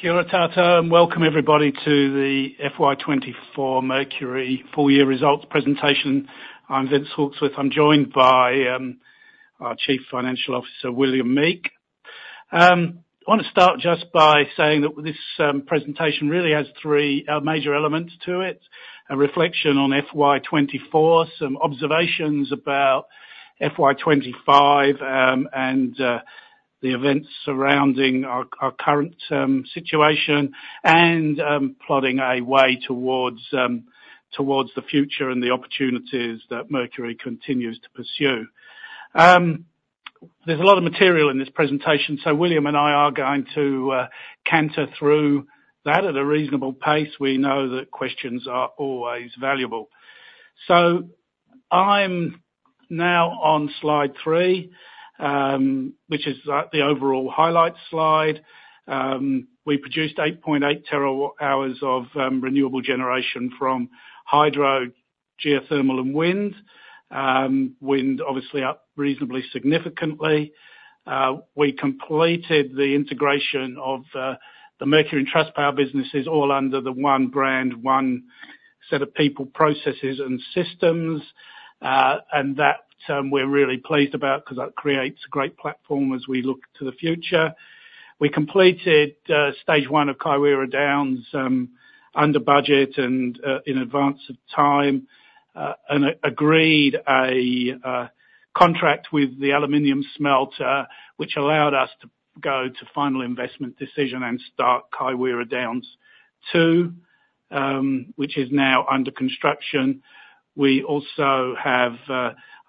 Kia ora tātou, and welcome everybody to the FY 2024 Mercury full year results presentation. I'm Vince Hawksworth. I'm joined by our Chief Financial Officer, William Meek. I wanna start just by saying that this presentation really has three major elements to it: a reflection on FY 2024, some observations about FY 2025, and the events surrounding our current situation, and plotting a way towards towards the future and the opportunities that Mercury continues to pursue. There's a lot of material in this presentation, so William and I are going to canter through that at a reasonable pace. We know that questions are always valuable. I'm now on slide three, which is the overall highlights slide. We produced 8.8 terawatt hours of renewable generation from hydro, geothermal, and wind. Wind obviously up reasonably significantly. We completed the integration of the Mercury and Trustpower businesses all under the one brand, one set of people, processes and systems, and that we're really pleased about because that creates a great platform as we look to the future. We completed stage one of Kaiwera Downs under budget and in advance of time and agreed a contract with the aluminium smelter, which allowed us to go to final investment decision and start Kaiwera Downs 2, which is now under construction. We also have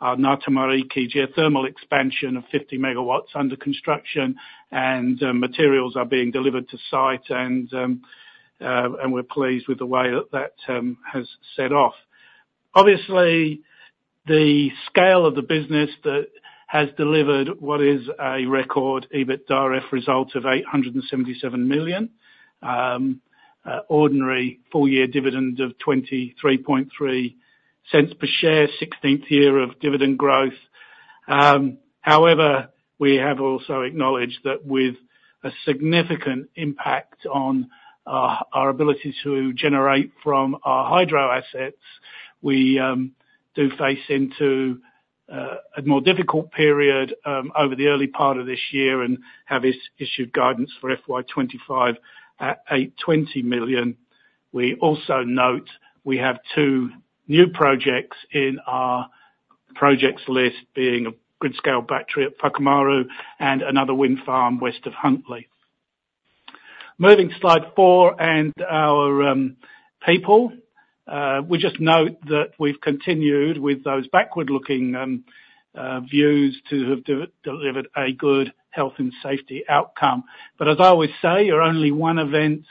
our Ngātamariki geothermal expansion of 50 megawatts under construction, and materials are being delivered to site, and we're pleased with the way that has set off. Obviously, the scale of the business that has delivered what is a record EBITDAF result of NZ$877 million, ordinary full year dividend of 23.3 cents per share, sixteenth year of dividend growth. However, we have also acknowledged that with a significant impact on our ability to generate from our hydro assets, we do face into a more difficult period over the early part of this year and have issued guidance for FY 2025 at NZ$820 million. We also note we have two new projects in our projects list, being a grid-scale battery at Whakamaru and another wind farm west of Huntly. Moving to Slide 4 and our people. We just note that we've continued with those backward-looking views to have delivered a good health and safety outcome. But as I always say, you're only one event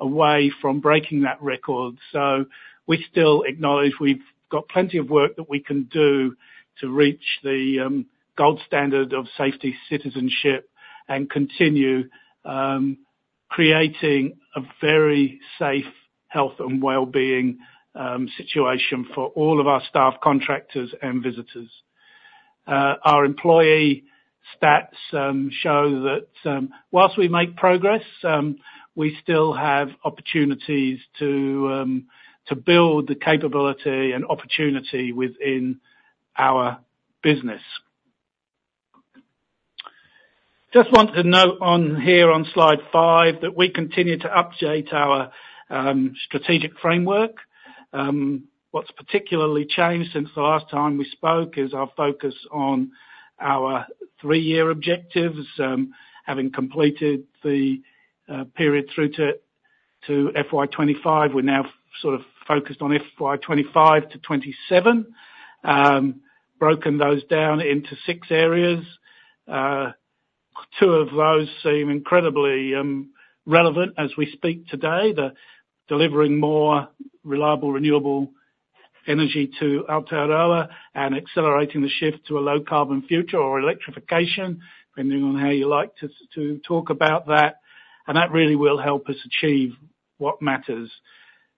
away from breaking that record. So we still acknowledge we've got plenty of work that we can do to reach the gold standard of safety citizenship and continue creating a very safe health and well-being situation for all of our staff, contractors, and visitors. Our employee stats show that, while we make progress, we still have opportunities to build the capability and opportunity within our business. Just want to note on here on Slide five, that we continue to update our strategic framework. What's particularly changed since the last time we spoke is our focus on our three-year objectives. Having completed the period through to FY 2025, we're now sort of focused on FY 2025 to FY 2027. Broken those down into six areas. Two of those seem incredibly relevant as we speak today, the delivering more reliable, renewable energy to Aotearoa and accelerating the shift to a low carbon future or electrification, depending on how you like to talk about that. That really will help us achieve what matters.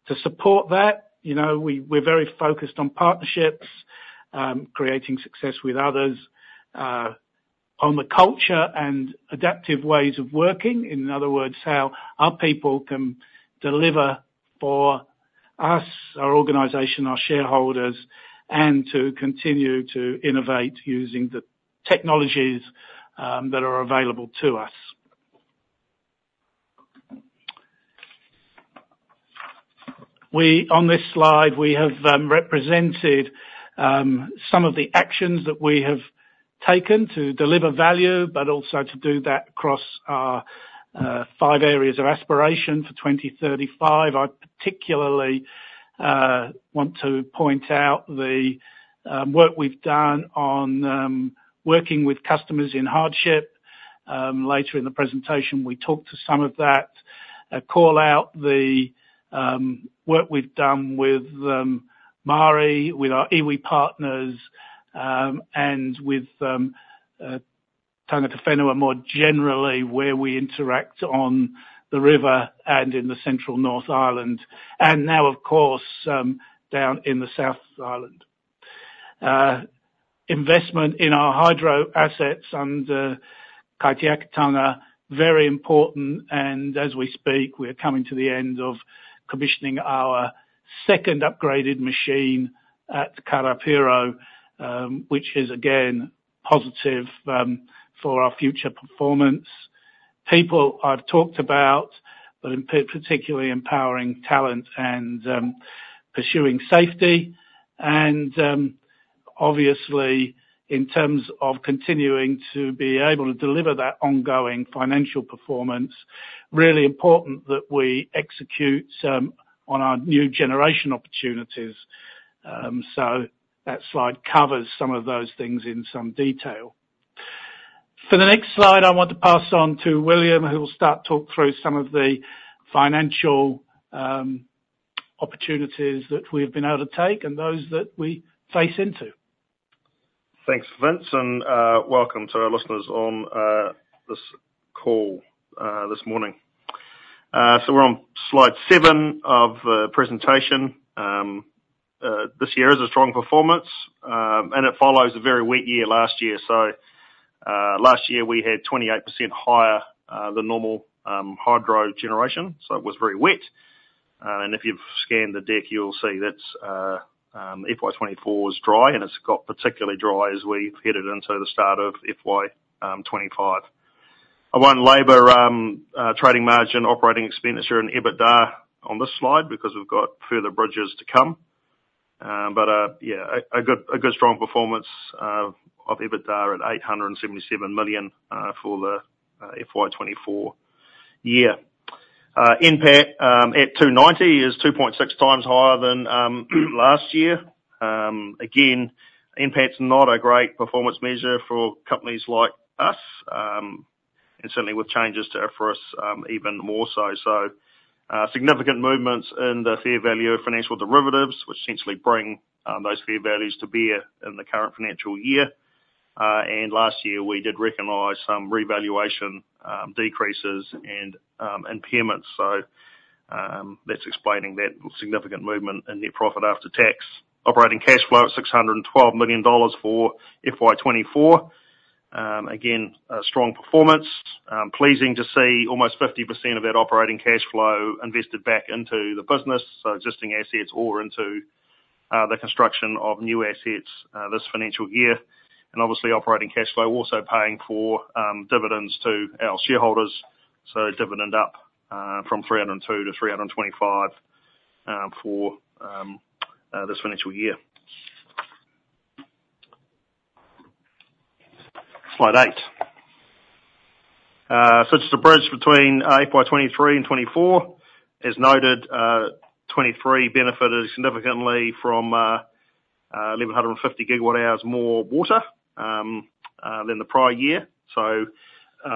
To support that, you know, we're very focused on partnerships, creating success with others, on the culture and adaptive ways of working. In other words, how our people can deliver for us, our organization, our shareholders, and to continue to innovate using the technologies that are available to us. On this slide, we have represented some of the actions that we have taken to deliver value, but also to do that across our five areas of aspiration for 2035. I particularly want to point out the work we've done on working with customers in hardship. Later in the presentation, we talk to some of that, call out the work we've done with Māori, with our iwi partners, and with Tangata Whenua, more generally, where we interact on the river and in the central North Island, and now, of course, down in the South Island, investment in our hydro assets and Kaitiakitanga, very important, and as we speak, we are coming to the end of commissioning our second upgraded machine at Karapiro, which is again positive for our future performance. People I've talked about, but importantly, particularly empowering talent and pursuing safety, and obviously, in terms of continuing to be able to deliver that ongoing financial performance, really important that we execute on our new generation opportunities. So that slide covers some of those things in some detail. For the next slide, I want to pass on to William, who will talk through some of the financial opportunities that we've been able to take and those that we face into. Thanks, Vince, and welcome to our listeners on this call this morning, so we're on slide seven of the presentation. This year is a strong performance, and it follows a very wet year last year, so last year we had 28% higher than normal hydro generation, so it was very wet, and if you've scanned the deck, you'll see that's FY 2024 was dry, and it's got particularly dry as we've headed into the start of FY 2025. I won't labor trading margin, operating expenditure, and EBITDA on this slide, because we've got further bridges to come, but yeah, a good strong performance of EBITDA at 877 million for the FY 2024 year. NPAT at 290 million is 2.6 times higher than last year. Again, NPAT's not a great performance measure for companies like us, and certainly with changes to IFRS, even more so. Significant movements in the fair value of financial derivatives, which essentially bring those fair values to bear in the current financial year. Last year, we did recognize some revaluation decreases and impairments. That's explaining that significant movement in net profit after tax. Operating cash flow at 612 million dollars for FY 2024. Again, a strong performance. Pleasing to see almost 50% of that operating cash flow invested back into the business, so existing assets or into the construction of new assets this financial year. Obviously, operating cash flow also paying for dividends to our shareholders. Dividend up from NZ$3.02-NZ$3.25 for this financial year. Slide eight. Just a bridge between FY 2023 and FY 2024. As noted, 2023 benefited significantly from 1,150 gigawatt hours more water than the prior year.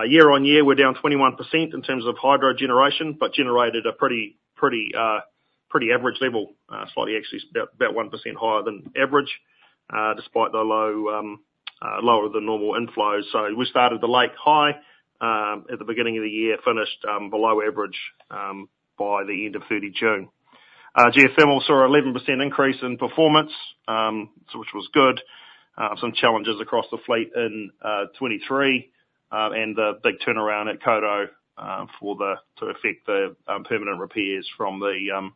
Year on year, we're down 21% in terms of hydro generation, but generated a pretty average level, slightly actually about 1% higher than average, despite the lower than normal inflows. We started the lake high at the beginning of the year, finished below average by the end of 30 June. Geothermal saw an 11% increase in performance, so which was good. Some challenges across the fleet in 2023, and a big turnaround at Rotokawa, to effect the permanent repairs from the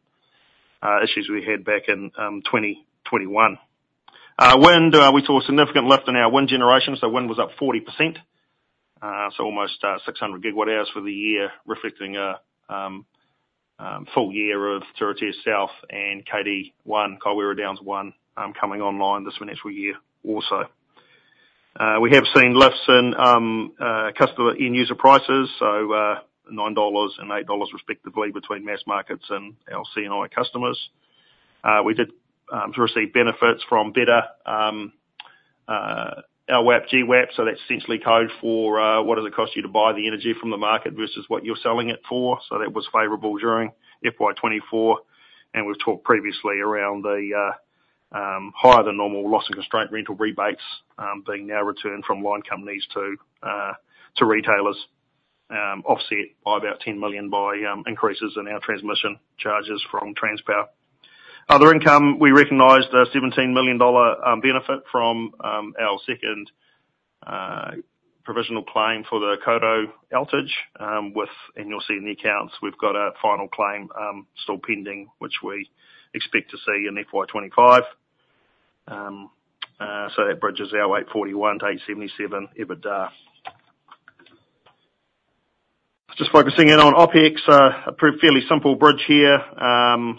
issues we had back in 2021. Wind, we saw a significant lift in our wind generation, so wind was up 40%, so almost 600 gigawatt hours for the year, reflecting a full year of Turitea South and KD1, Kaiwera Downs one, coming online this financial year also. We have seen lifts in customer end user prices, so 9 dollars and 8 dollars respectively between mass markets and our C&I customers. We did receive benefits from better LWAP, GWAP, so that's essentially Code for what does it cost you to buy the energy from the market versus what you're selling it for. So that was favorable during FY 2024, and we've talked previously around the higher than normal loss and constraint rental rebates being now returned from line companies to retailers, offset by about 10 million by increases in our transmission charges from Transpower. Other income, we recognized a 17 million dollar benefit from our second provisional claim for the Rotokawa outage, and you'll see in the accounts, we've got a final claim still pending, which we expect to see in FY 2025. So that bridges our 841-877 EBITDA. Just focusing in on OpEx, a fairly simple bridge here.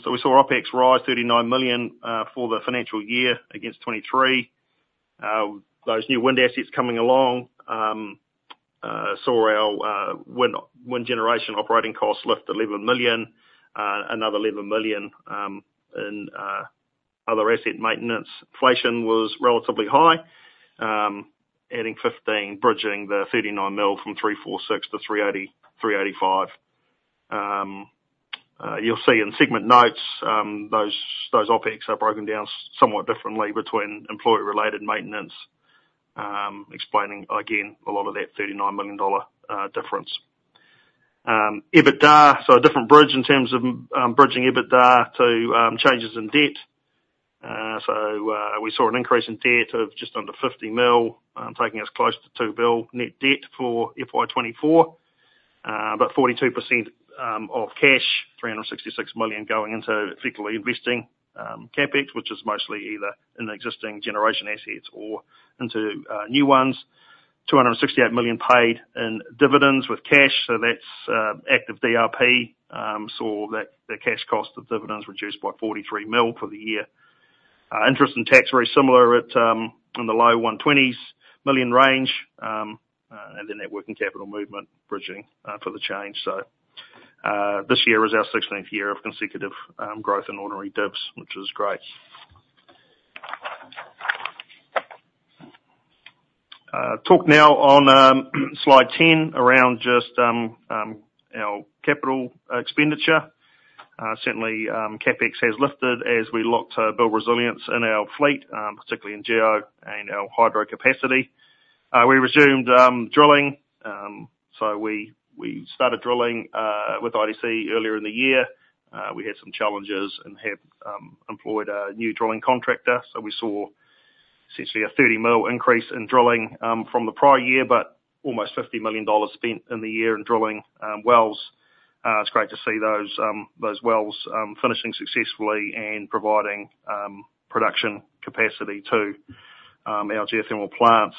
So we saw OpEx rise 39 million for the financial year against 2023. Those new wind assets coming along saw our wind generation operating costs lift to 11 million, another 11 million in other asset maintenance. Inflation was relatively high, adding 15 million, bridging the 39 mil from 346-385. You'll see in segment notes those OpEx are broken down somewhat differently between employee-related maintenance, explaining, again, a lot of that 39 million dollar difference. EBITDA, so a different bridge in terms of bridging EBITDA to changes in debt. So, we saw an increase in debt of just under NZ$50 million, taking us close to NZ$2 billion net debt for FY 2024. But 42% of cash, NZ$366 million going into effectively investing, CapEx, which is mostly either in existing generation assets or into new ones. NZ$268 million paid in dividends with cash, so that's active DRP. So that the cash cost of dividends reduced by NZ$43 million for the year. Interest and tax, very similar at in the low 120s million range. And the net working capital movement bridging for the change. So this year is our 16th year of consecutive growth in ordinary dividends, which is great. Talk now on slide 10, around just our capital expenditure. Certainly, CapEx has lifted as we look to build resilience in our fleet, particularly in geo and our hydro capacity. We resumed drilling, so we started drilling with IDC earlier in the year. We had some challenges and have employed a new drilling contractor. So we saw essentially a NZ$30 million increase in drilling from the prior year, but almost NZ$50 million spent in the year in drilling wells. It's great to see those wells finishing successfully and providing production capacity to our geothermal plants.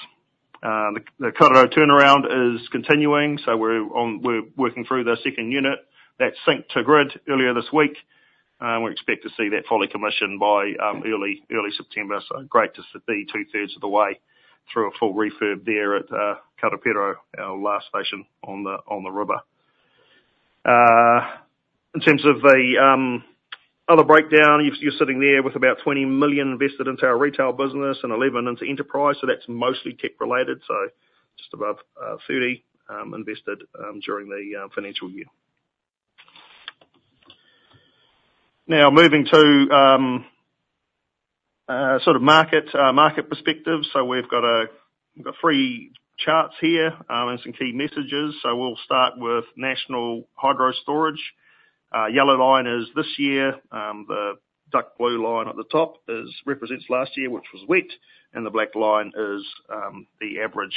The Kawerau turnaround is continuing, so we're working through the second unit. That synced to grid earlier this week, we expect to see that fully commissioned by early September. So great to be two-thirds of the way through a full refurb there at Kawerau, our last station on the river. In terms of the other breakdown, you're sitting there with about 20 million invested into our retail business and 11 into enterprise, so that's mostly tech-related, so just above 30 invested during the financial year. Now, moving to sort of market perspective. So we've got three charts here and some key messages. So we'll start with national hydro storage. Yellow line is this year, the dark blue line at the top represents last year, which was wet, and the black line is the average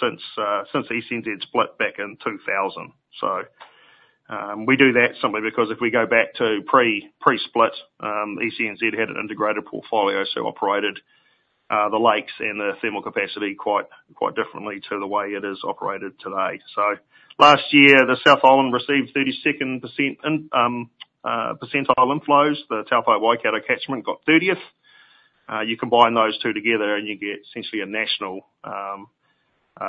since the ECNZ split back in 2000. So, we do that simply because if we go back to pre-split, ECNZ had an integrated portfolio, so operated the lakes and the thermal capacity quite differently to the way it is operated today. So last year, the South Island received 32nd percentile inflows. The Taupo Waikato catchment got 30th. You combine those two together, and you get essentially a national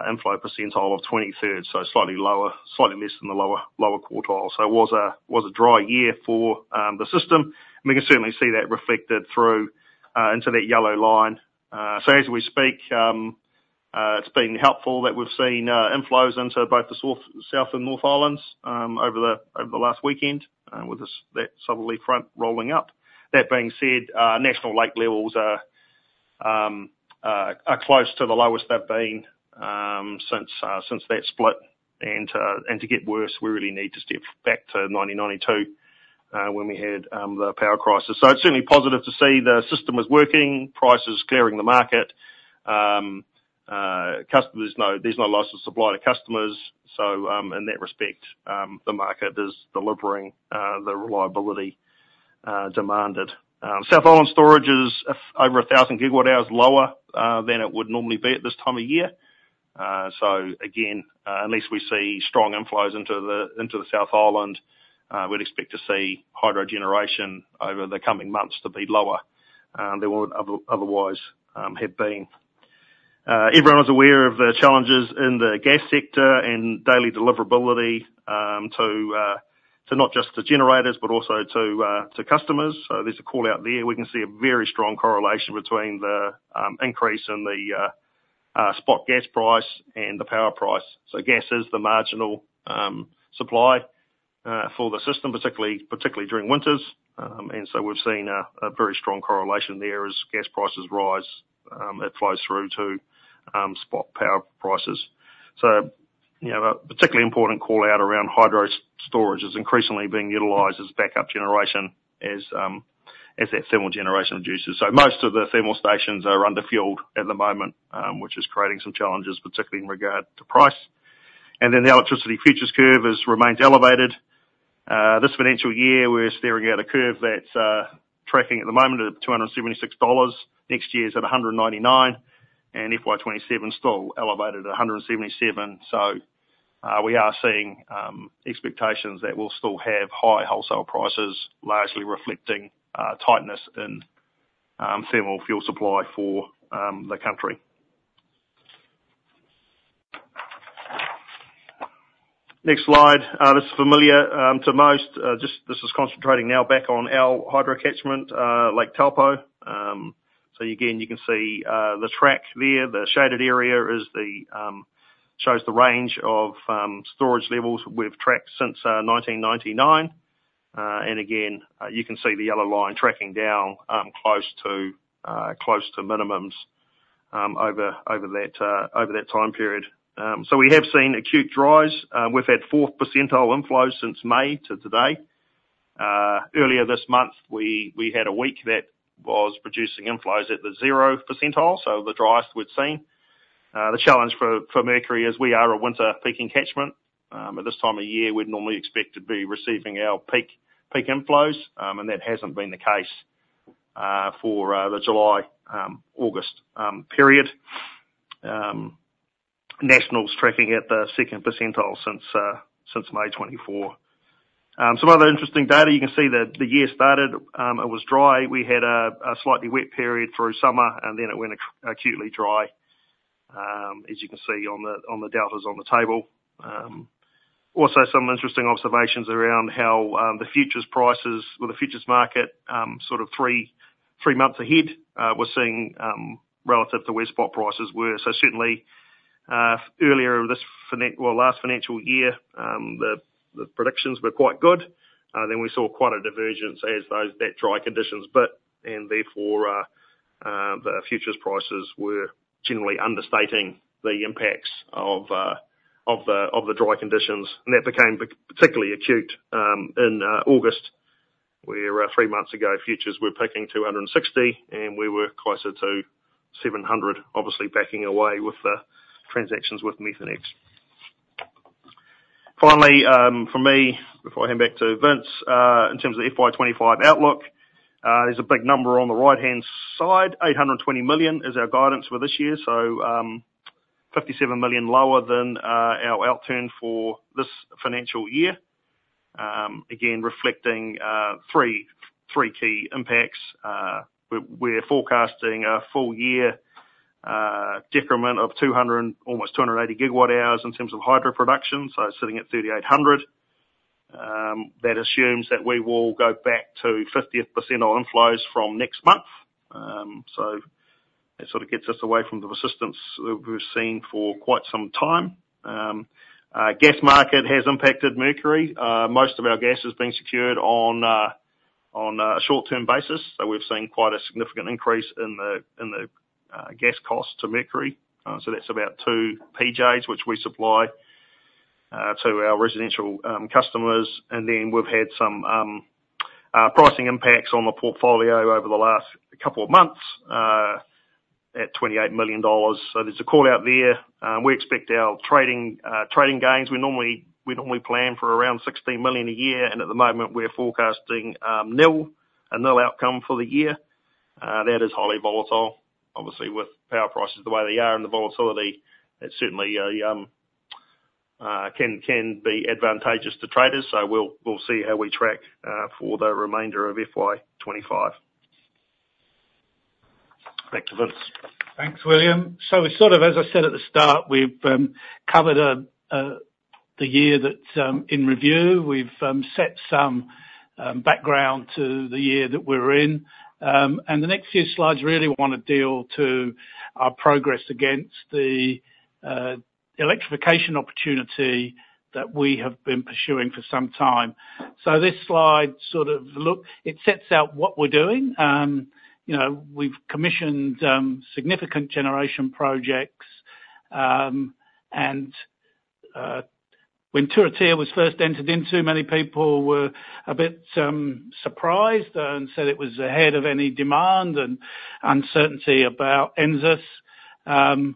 inflow percentile of 23rd, so slightly lower - slightly less than the lower quartile. So it was a dry year for the system, and we can certainly see that reflected through into that yellow line. So as we speak, it's been helpful that we've seen inflows into both the South and North Islands over the last weekend with that southerly front rolling up. That being said, national lake levels are close to the lowest they've been since that split. And to get worse, we really need to step back to 1992 when we had the power crisis. So it's certainly positive to see the system is working, prices clearing the market, customers. There's no loss of supply to customers. So in that respect, the market is delivering the reliability demanded. South Island storage is over a thousand gigawatt hours lower than it would normally be at this time of year. So again, unless we see strong inflows into the South Island, we'd expect to see hydro generation over the coming months to be lower than they would otherwise have been. Everyone is aware of the challenges in the gas sector and daily deliverability to not just the generators, but also to customers. So there's a call out there. We can see a very strong correlation between the increase in the spot gas price and the power price. So gas is the marginal supply for the system, particularly during winters. And so we've seen a very strong correlation there as gas prices rise, it flows through to spot power prices. So, you know, a particularly important call-out around hydro storage is increasingly being utilized as backup generation as, as that thermal generation reduces. So most of the thermal stations are under-fueled at the moment, which is creating some challenges, particularly in regard to price. And then the electricity futures curve has remained elevated. This financial year, we're staring at a curve that's tracking at the moment at 276 dollars, next year's at 199, and FY 2027 still elevated at 177. So, we are seeing expectations that we'll still have high wholesale prices, largely reflecting tightness in thermal fuel supply for the country. Next slide. This is familiar to most, just this is concentrating now back on our hydro catchment, Lake Taupo. Again, you can see the track there. The shaded area shows the range of storage levels we've tracked since 1999. Again, you can see the yellow line tracking down close to minimums over that time period. We have seen acute dries. We've had fourth percentile inflows since May to today. Earlier this month, we had a week that was producing inflows at the zero percentile, so the driest we've seen. The challenge for Mercury is we are a winter peaking catchment. At this time of year, we'd normally expect to be receiving our peak inflows, and that hasn't been the case for the July-August period. National's tracking at the second percentile since May 2024. Some other interesting data, you can see the year started, it was dry. We had a slightly wet period through summer, and then it went acutely dry, as you can see on the deltas on the table. Also, some interesting observations around how the futures prices or the futures market, sort of three months ahead, we're seeing relative to where spot prices were. So certainly, earlier this well, last financial year, the predictions were quite good. Then we saw quite a divergence as that dry conditions bit, and therefore, the futures prices were generally understating the impacts of the dry conditions. That became particularly acute in August, where three months ago, futures were peaking 260, and we were closer to 700, obviously backing away with the transactions with Methanex. Finally, for me, before I hand back to Vince, in terms of FY 2025 outlook, there's a big number on the right-hand side. NZ$820 million is our guidance for this year, so NZ$57 million lower than our outturn for this financial year. Again, reflecting three key impacts. We're forecasting a full year decrement of 200 and almost 280 gigawatt hours in terms of hydro production, so sitting at 3,800. That assumes that we will go back to 50th percentile inflows from next month. So that sort of gets us away from the resistance that we've seen for quite some time. Gas market has impacted Mercury. Most of our gas has been secured on a short-term basis, so we've seen quite a significant increase in the gas cost to Mercury. So that's about two PJs, which we supply to our residential customers. And then we've had some pricing impacts on the portfolio over the last couple of months at 28 million dollars. So there's a call-out there. We expect our trading gains. We normally plan for around 16 million a year, and at the moment, we're forecasting a nil outcome for the year. That is highly volatile. Obviously, with power prices the way they are and the volatility, it's certainly can be advantageous to traders, so we'll see how we track for the remainder of FY 2025. Back to Vince. Thanks, William. So we sort of, as I said at the start, we've covered the year that's in review. We've set some background to the year that we're in. And the next few slides really want to deal to our progress against the electrification opportunity that we have been pursuing for some time. So this slide sort of sets out what we're doing. You know, we've commissioned significant generation projects, and when Turitea was first entered into, many people were a bit surprised and said it was ahead of any demand and uncertainty about NZAS.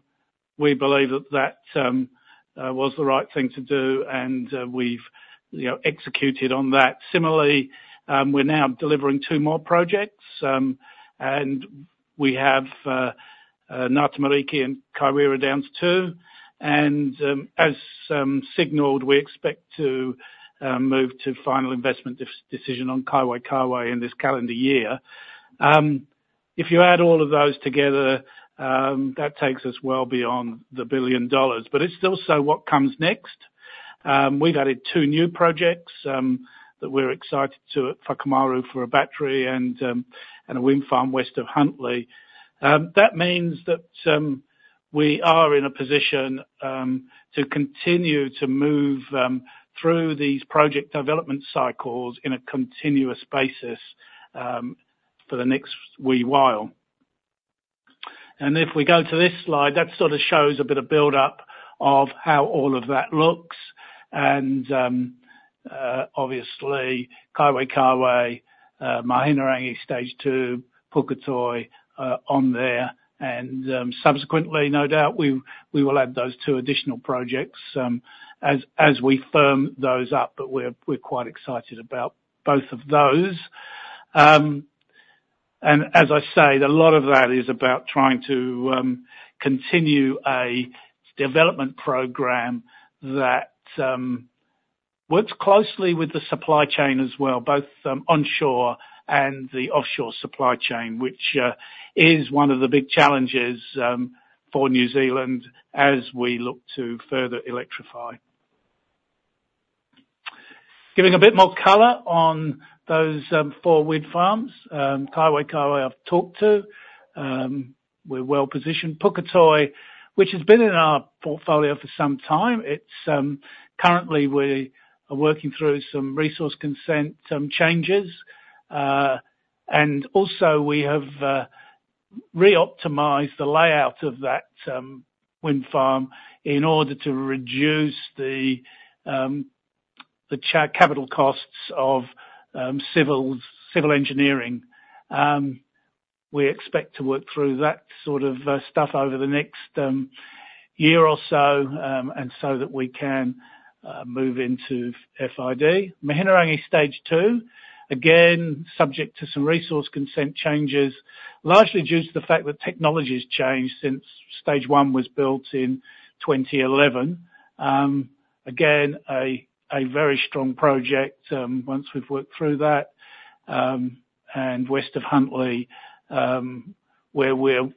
We believe that that was the right thing to do, and we've, you know, executed on that. Similarly, we're now delivering two more projects, and we have Ngātamārīki and Kaiwera Downs 2, and as signaled, we expect to move to final investment decision on Kaiwaikawe in this calendar year. If you add all of those together, that takes us well beyond the billion dollars, but it's also what comes next. We've added two new projects that we're excited to, Whakamaru for a battery and a wind farm west of Huntly. That means that we are in a position to continue to move through these project development cycles in a continuous basis for the next wee while, and if we go to this slide, that sort of shows a bit of build-up of how all of that looks. Obviously, Kaiwaikawe, Mahinarangi Stage 2, Puketoi, on there, and subsequently, no doubt, we will add those two additional projects as we firm those up, but we're quite excited about both of those. As I say, a lot of that is about trying to continue a development program that works closely with the supply chain as well, both onshore and the offshore supply chain, which is one of the big challenges for New Zealand as we look to further electrify. Giving a bit more color on those four wind farms, Kaiwaikawe, I've talked to. We're well positioned. Puketoi, which has been in our portfolio for some time. It's currently we are working through some resource consent, some changes, and also we have reoptimized the layout of that wind farm in order to reduce the capital costs of civil engineering. We expect to work through that sort of stuff over the next year or so, and so that we can move into FID. Mahinarangi Stage Two, again, subject to some resource consent changes, largely due to the fact that technology has changed since Stage One was built in 2011. Again, a very strong project, once we've worked through that, and west of Huntly, where we're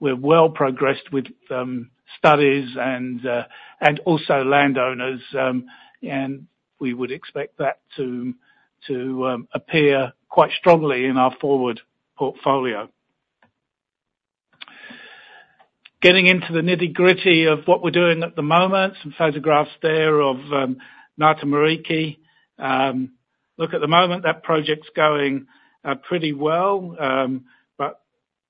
well progressed with studies and also landowners, and we would expect that to appear quite strongly in our forward portfolio. Getting into the nitty-gritty of what we're doing at the moment, some photographs there of Ngātamārīki. Look, at the moment, that project's going pretty well, but,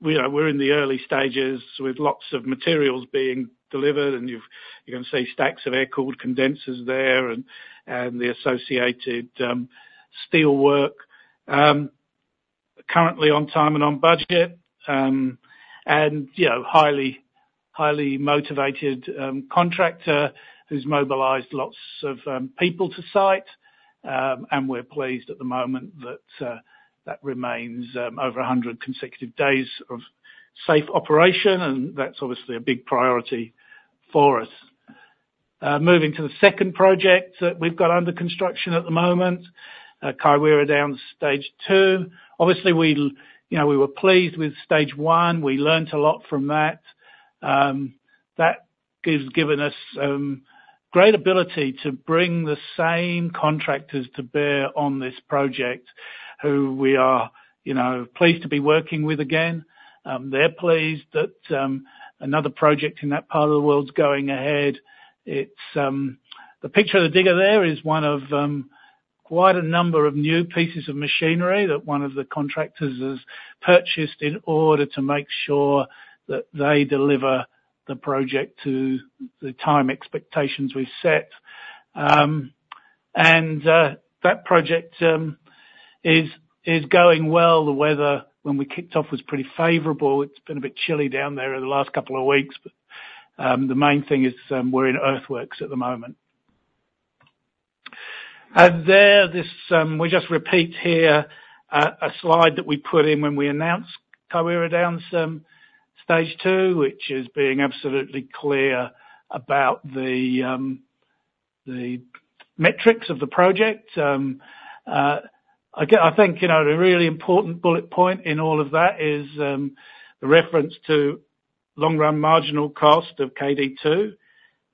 you know, we're in the early stages with lots of materials being delivered, and you can see stacks of air-cooled condensers there and the associated steelwork. Currently on time and on budget, and, you know, highly motivated contractor who's mobilized lots of people to site, and we're pleased at the moment that that remains over 100 consecutive days of safe operation, and that's obviously a big priority for us. Moving to the second project that we've got under construction at the moment, Kaiwera Downs Stage Two. Obviously, you know, we were pleased with Stage One. We learned a lot from that. That has given us great ability to bring the same contractors to bear on this project, who we are, you know, pleased to be working with again. They're pleased that another project in that part of the world is going ahead. It's the picture of the digger there, is one of quite a number of new pieces of machinery that one of the contractors has purchased in order to make sure that they deliver the project to the time expectations we've set, and that project is going well. The weather, when we kicked off, was pretty favorable. It's been a bit chilly down there in the last couple of weeks, but the main thing is we're in earthworks at the moment, and there, this... We just repeat here a slide that we put in when we announced Kaiwera Downs Stage Two, which is being absolutely clear about the metrics of the project. I think, you know, the really important bullet point in all of that is the reference to long-run marginal cost of KD two,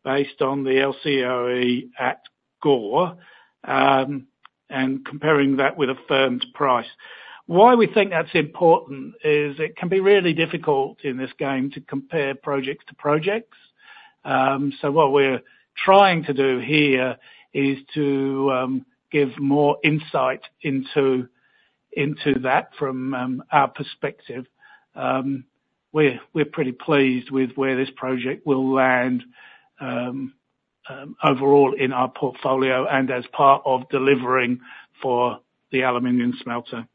based on the LCOE at Gore and comparing that with a firmed price. Why we think that's important is it can be really difficult in this game to compare projects to projects. So what we're trying to do here is to give more insight into that from our perspective. We're pretty pleased with where this project will land overall in our portfolio and as part of delivering for the aluminium smelter.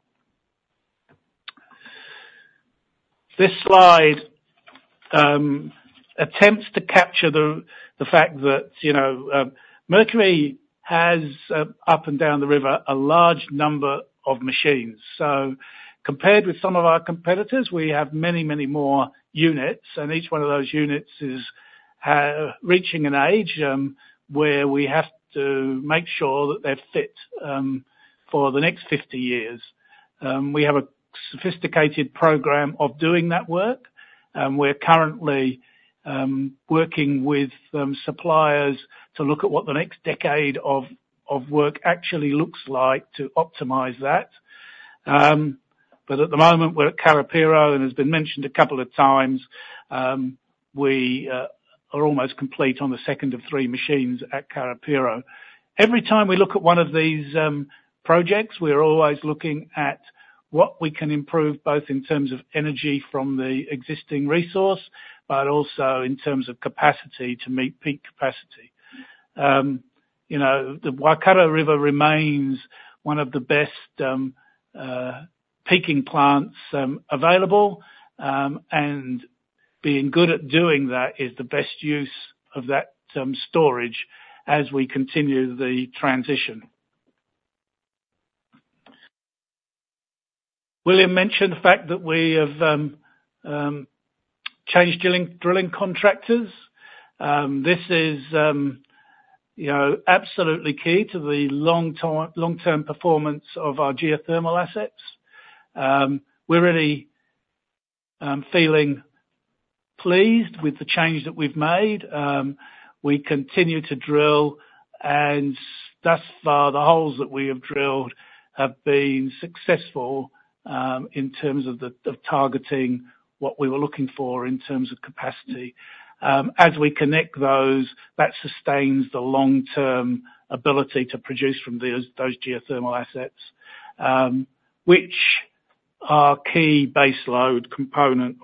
This slide attempts to capture the fact that, you know, Mercury has up and down the river a large number of machines. So compared with some of our competitors, we have many, many more units, and each one of those units is reaching an age where we have to make sure that they're fit for the next 50 years. We have a sophisticated program of doing that work, and we're currently working with suppliers to look at what the next decade of work actually looks like to optimize that. But at the moment, we're at Karapiro, and has been mentioned a couple of times, we are almost complete on the second of three machines at Karapiro. Every time we look at one of these projects, we're always looking at what we can improve, both in terms of energy from the existing resource, but also in terms of capacity to meet peak capacity. You know, the Waikato River remains one of the best peaking plants available, and being good at doing that is the best use of that storage as we continue the transition. William mentioned the fact that we have changed drilling contractors. This is, you know, absolutely key to the long-term performance of our geothermal assets. We're really feeling pleased with the change that we've made. We continue to drill, and thus far, the holes that we have drilled have been successful in terms of targeting what we were looking for in terms of capacity. As we connect those, that sustains the long-term ability to produce from those geothermal assets, which are key base load component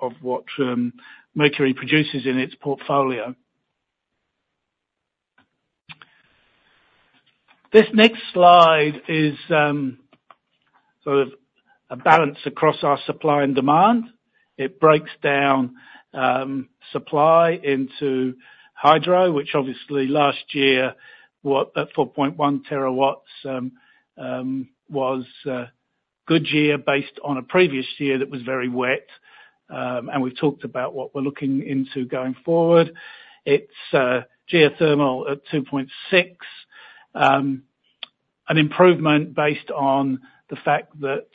of what Mercury produces in its portfolio. This next slide is sort of a balance across our supply and demand. It breaks down supply into hydro, which obviously last year at 4.1 terawatts was a good year based on a previous year that was very wet, and we've talked about what we're looking into going forward. It's geothermal at 2.6, an improvement based on the fact that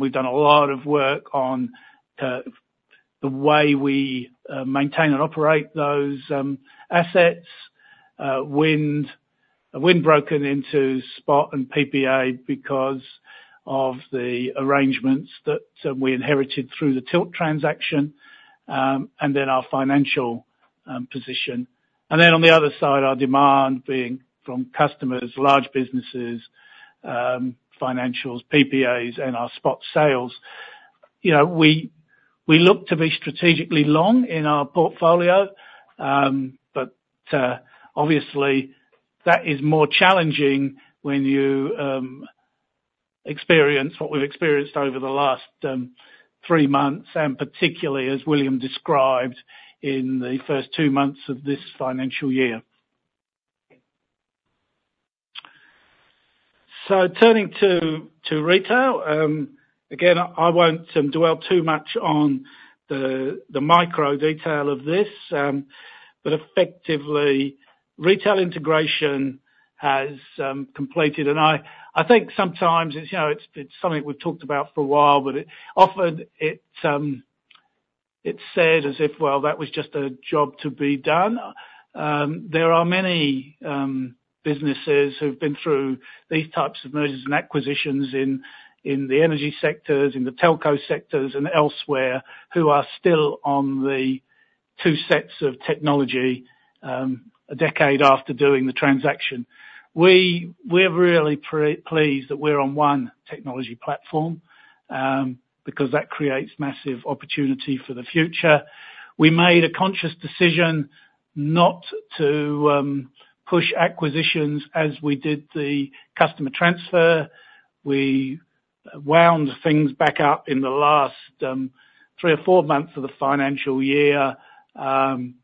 we've done a lot of work on the way we maintain and operate those assets. Wind broken into spot and PPA because of the arrangements that we inherited through the Tilt transaction, and then our financial position. And then on the other side, our demand being from customers, large businesses, financials, PPAs, and our spot sales. You know, we look to be strategically long in our portfolio, but obviously, that is more challenging when you experience what we've experienced over the last three months, and particularly as William described in the first two months of this financial year. So turning to retail, again, I won't dwell too much on the micro detail of this, but effectively, retail integration has completed. I think sometimes it's, you know, it's something we've talked about for a while, but often it's said as if, well, that was just a job to be done. There are many businesses who've been through these types of mergers and acquisitions in the energy sectors, in the telco sectors and elsewhere, who are still on the two sets of technology a decade after doing the transaction. We're really pleased that we're on one technology platform because that creates massive opportunity for the future. We made a conscious decision not to push acquisitions as we did the customer transfer. We wound things back up in the last three or four months of the financial year, but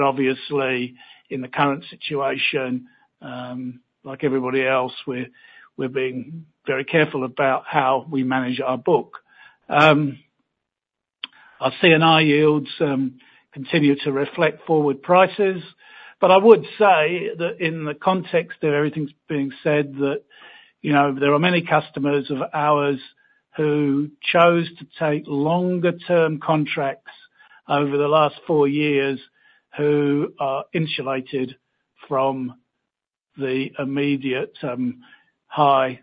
obviously, in the current situation, like everybody else, we're, we're being very careful about how we manage our book. Our C&I yields continue to reflect forward prices, but I would say that in the context of everything being said, that, you know, there are many customers of ours who chose to take longer term contracts over the last four years, who are insulated from the immediate high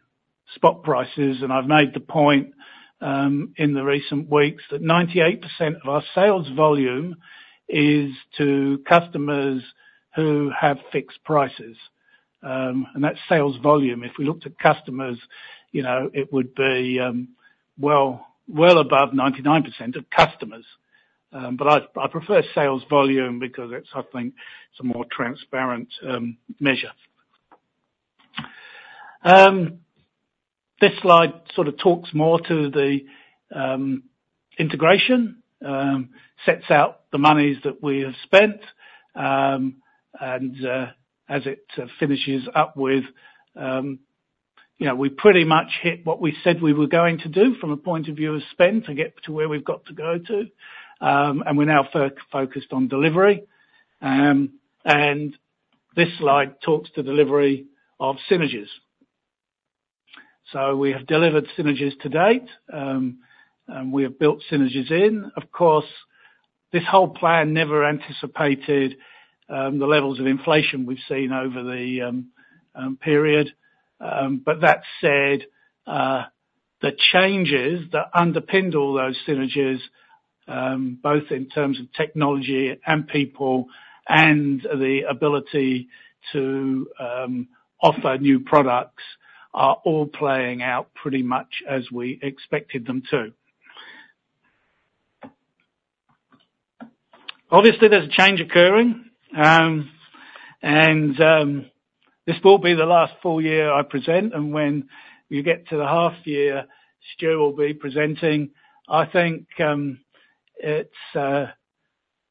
spot prices. And I've made the point, in the recent weeks, that 98% of our sales volume is to customers who have fixed prices. And that's sales volume. If we looked at customers, you know, it would be, well, well above 99% of customers. But I prefer sales volume because it's, I think, it's a more transparent measure. This slide sort of talks more to the integration, sets out the monies that we have spent, and as it finishes up with, you know, we pretty much hit what we said we were going to do from a point of view of spend to get to where we've got to go to. And we're now focused on delivery. And this slide talks to delivery of synergies. So we have delivered synergies to date, and we have built synergies in. Of course, this whole plan never anticipated the levels of inflation we've seen over the period. But that said, the changes that underpinned all those synergies, both in terms of technology and people, and the ability to offer new products, are all playing out pretty much as we expected them to. Obviously, there's a change occurring, and this will be the last full year I present, and when we get to the half year, Stuart will be presenting. I think, you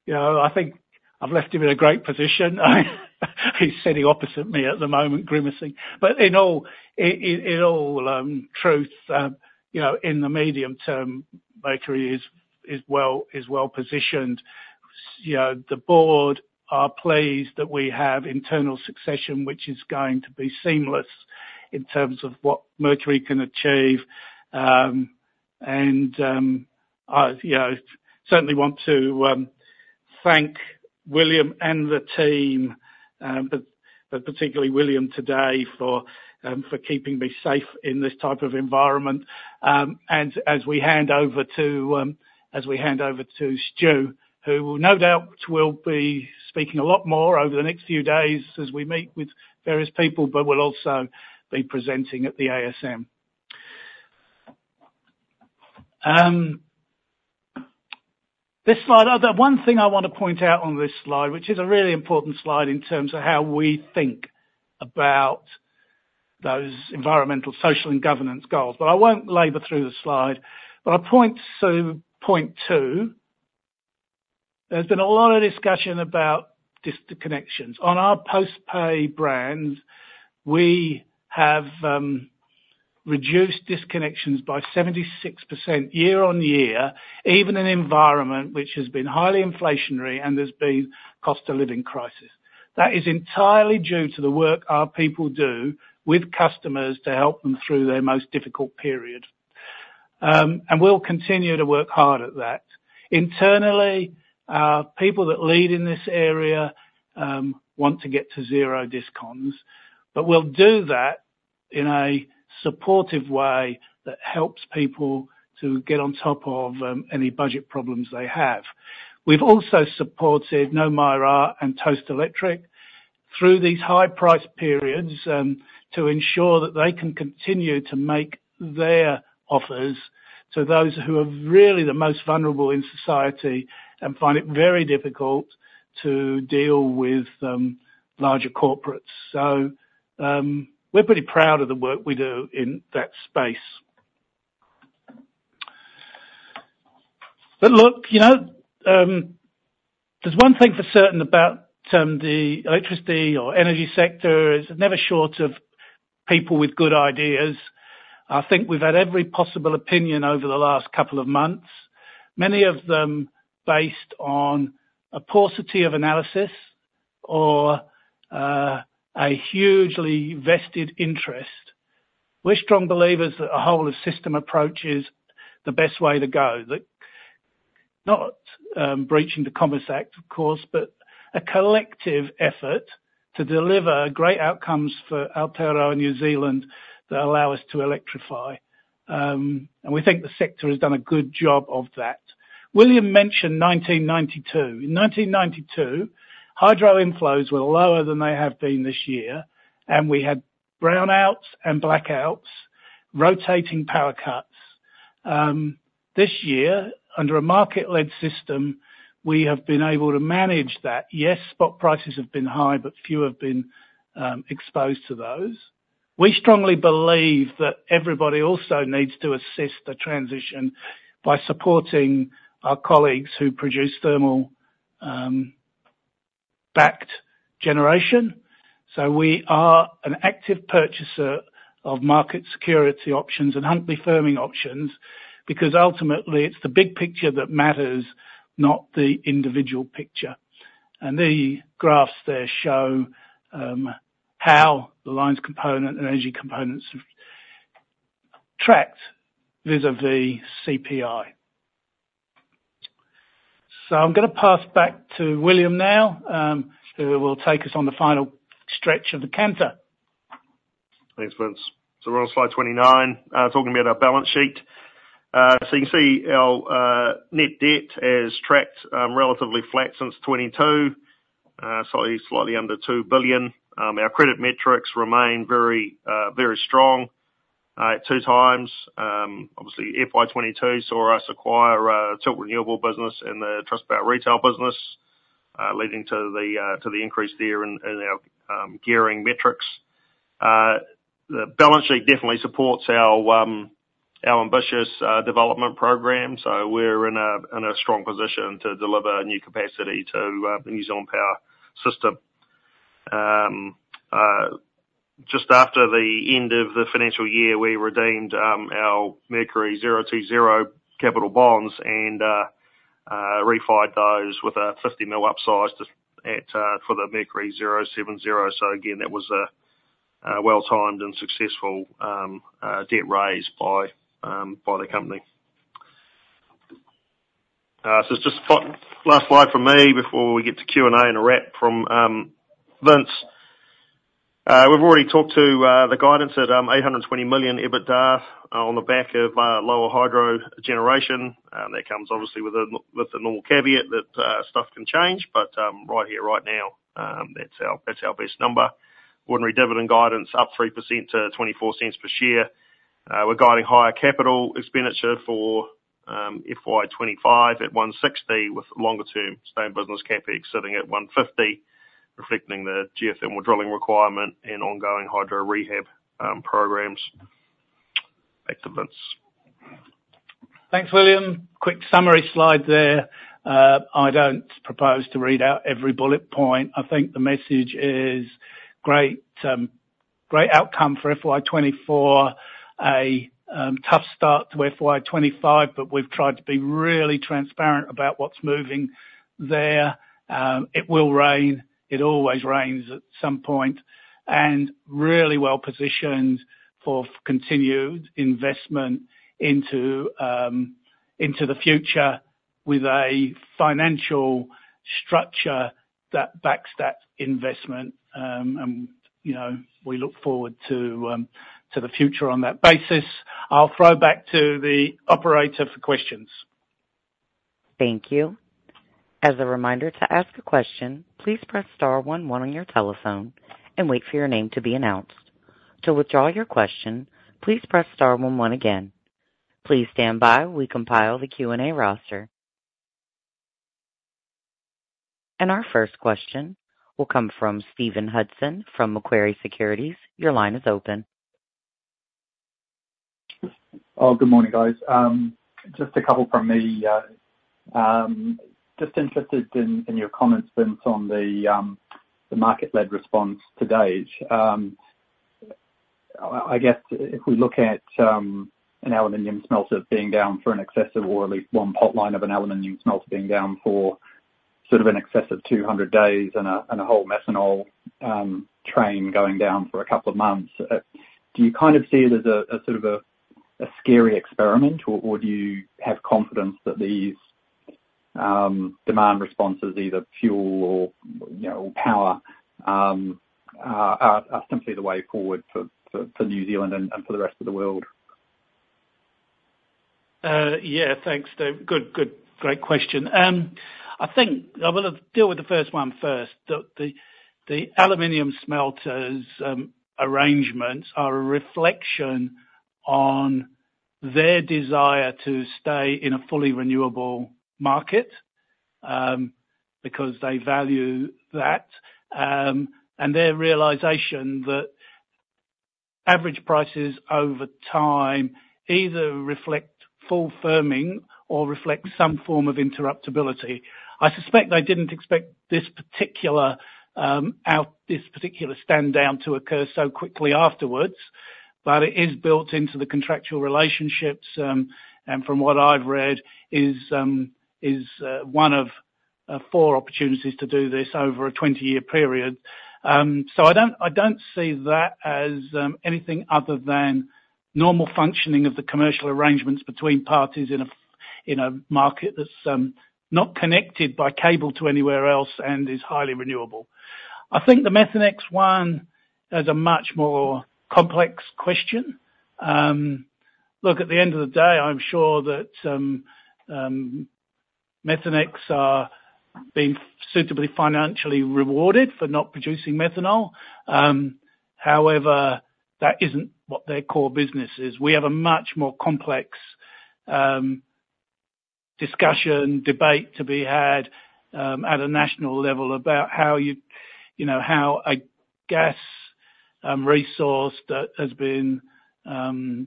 know, I think I've left him in a great position. He's sitting opposite me at the moment, grimacing. But in all truth, you know, in the medium term, Mercury is well positioned. You know, the board are pleased that we have internal succession, which is going to be seamless in terms of what Mercury can achieve. I you know certainly want to thank William and the team, but particularly William today, for keeping me safe in this type of environment. As we hand over to Stu, who will no doubt be speaking a lot more over the next few days as we meet with various people, but will also be presenting at the ASM. This slide, the one thing I want to point out on this slide, which is a really important slide in terms of how we think about those environmental, social, and governance goals, but I won't labor through the slide, but I point to point two. There's been a lot of discussion about disconnections. On our post-pay brands, we have reduced disconnections by 76% year-on-year, even in environment which has been highly inflationary and there's been cost of living crisis. That is entirely due to the work our people do with customers to help them through their most difficult period. And we'll continue to work hard at that. Internally, people that lead in this area want to get to zero disconnections. But we'll do that in a supportive way that helps people to get on top of any budget problems they have. We've also supported Nau Mai Rā and Toast Electric through these high price periods to ensure that they can continue to make their offers to those who are really the most vulnerable in society and find it very difficult to deal with larger corporates. So, we're pretty proud of the work we do in that space. But look, you know, there's one thing for certain about the electricity or energy sector: it is never short of people with good ideas. I think we've had every possible opinion over the last couple of months, many of them based on a paucity of analysis or a hugely vested interest. We're strong believers that a whole of system approach is the best way to go, that not breaching the Commerce Act, of course, but a collective effort to deliver great outcomes for Aotearoa, New Zealand, that allow us to electrify. And we think the sector has done a good job of that. William mentioned 1992. In 1992, hydro inflows were lower than they have been this year, and we had brownouts and blackouts, rotating power cuts. This year, under a market-led system, we have been able to manage that. Yes, Spot prices have been high, but few have been exposed to those. We strongly believe that everybody also needs to assist the transition by supporting our colleagues who produce thermal backed generation, so we are an active purchaser of Market Security Options and Huntly Firming Options, because ultimately it's the big picture that matters, not the individual picture, and the graphs there show how the lines component and energy components have tracked vis-à-vis CPI, so I'm gonna pass back to William now, who will take us on the final stretch of the canter. Thanks, Vince. We're on slide 29, talking about our balance sheet. You can see our net debt has tracked relatively flat since 2022, slightly under $2 billion. Our credit metrics remain very strong at 2 times. Obviously FY 2022 saw us acquire the Tilt Renewables business and the Trustpower retail business, leading to the increase there in our gearing metrics. The balance sheet definitely supports our ambitious development program, so we're in a strong position to deliver new capacity to the New Zealand power system. Just after the end of the financial year, we redeemed our Mercury 020 capital bonds and refinanced those with a $50 million upsize to the Mercury 070. So again, that was a well-timed and successful debt raise by the company. So just last slide from me before we get to Q&A and a wrap from Vince. We've already talked to the guidance at NZ$820 million EBITDA on the back of lower hydro generation. That comes obviously with the normal caveat that stuff can change, but right here, right now, that's our best number. Ordinary dividend guidance up 3% to NZ$0.24 per share. We're guiding higher capital expenditure for FY 2025 at NZ$160 million, with longer term staying business CapEx sitting at NZ$150 million, reflecting the geothermal drilling requirement and ongoing hydro rehab programs. Back to Vince. Thanks, William. Quick summary slide there. I don't propose to read out every bullet point. I think the message is great, great outcome for FY 2024. A tough start to FY 2025, but we've tried to be really transparent about what's moving there. It will rain. It always rains at some point. And really well positioned for continued investment into, into the future... with a financial structure that backs that investment. And, you know, we look forward to, to the future on that basis. I'll throw back to the operator for questions. Thank you. As a reminder, to ask a question, please press star one one on your telephone and wait for your name to be announced. To withdraw your question, please press star one one again. Please stand by while we compile the Q&A roster, and our first question will come from Stephen Hudson, from Macquarie Securities. Your line is open. Oh, good morning, guys. Just a couple from me. Just interested in your comments, Vince, on the market-led response to date. I guess if we look at an aluminium smelter being down for an excessive, or at least one potline of an aluminium smelter being down for sort of in excess of 200 days, and a whole methanol train going down for a couple of months, do you kind of see it as a sort of a scary experiment? Or do you have confidence that these demand responses, either fuel or, you know, or power, are simply the way forward for New Zealand and for the rest of the world? Yeah, thanks, Dave. Good, good, great question. I think I'm gonna deal with the first one first. The aluminium smelters arrangements are a reflection on their desire to stay in a fully renewable market, because they value that, and their realization that average prices over time either reflect full firming or reflect some form of interruptibility. I suspect they didn't expect this particular stand down to occur so quickly afterwards, but it is built into the contractual relationships, and from what I've read, is one of four opportunities to do this over a 20-year period. So I don't, I don't see that as anything other than normal functioning of the commercial arrangements between parties in a market that's not connected by cable to anywhere else and is highly renewable. I think the Methanex one is a much more complex question. Look, at the end of the day, I'm sure that Methanex are being suitably financially rewarded for not producing methanol. However, that isn't what their core business is. We have a much more complex discussion, debate to be had at a national level about how you, you know, how a gas resource that has been, you know...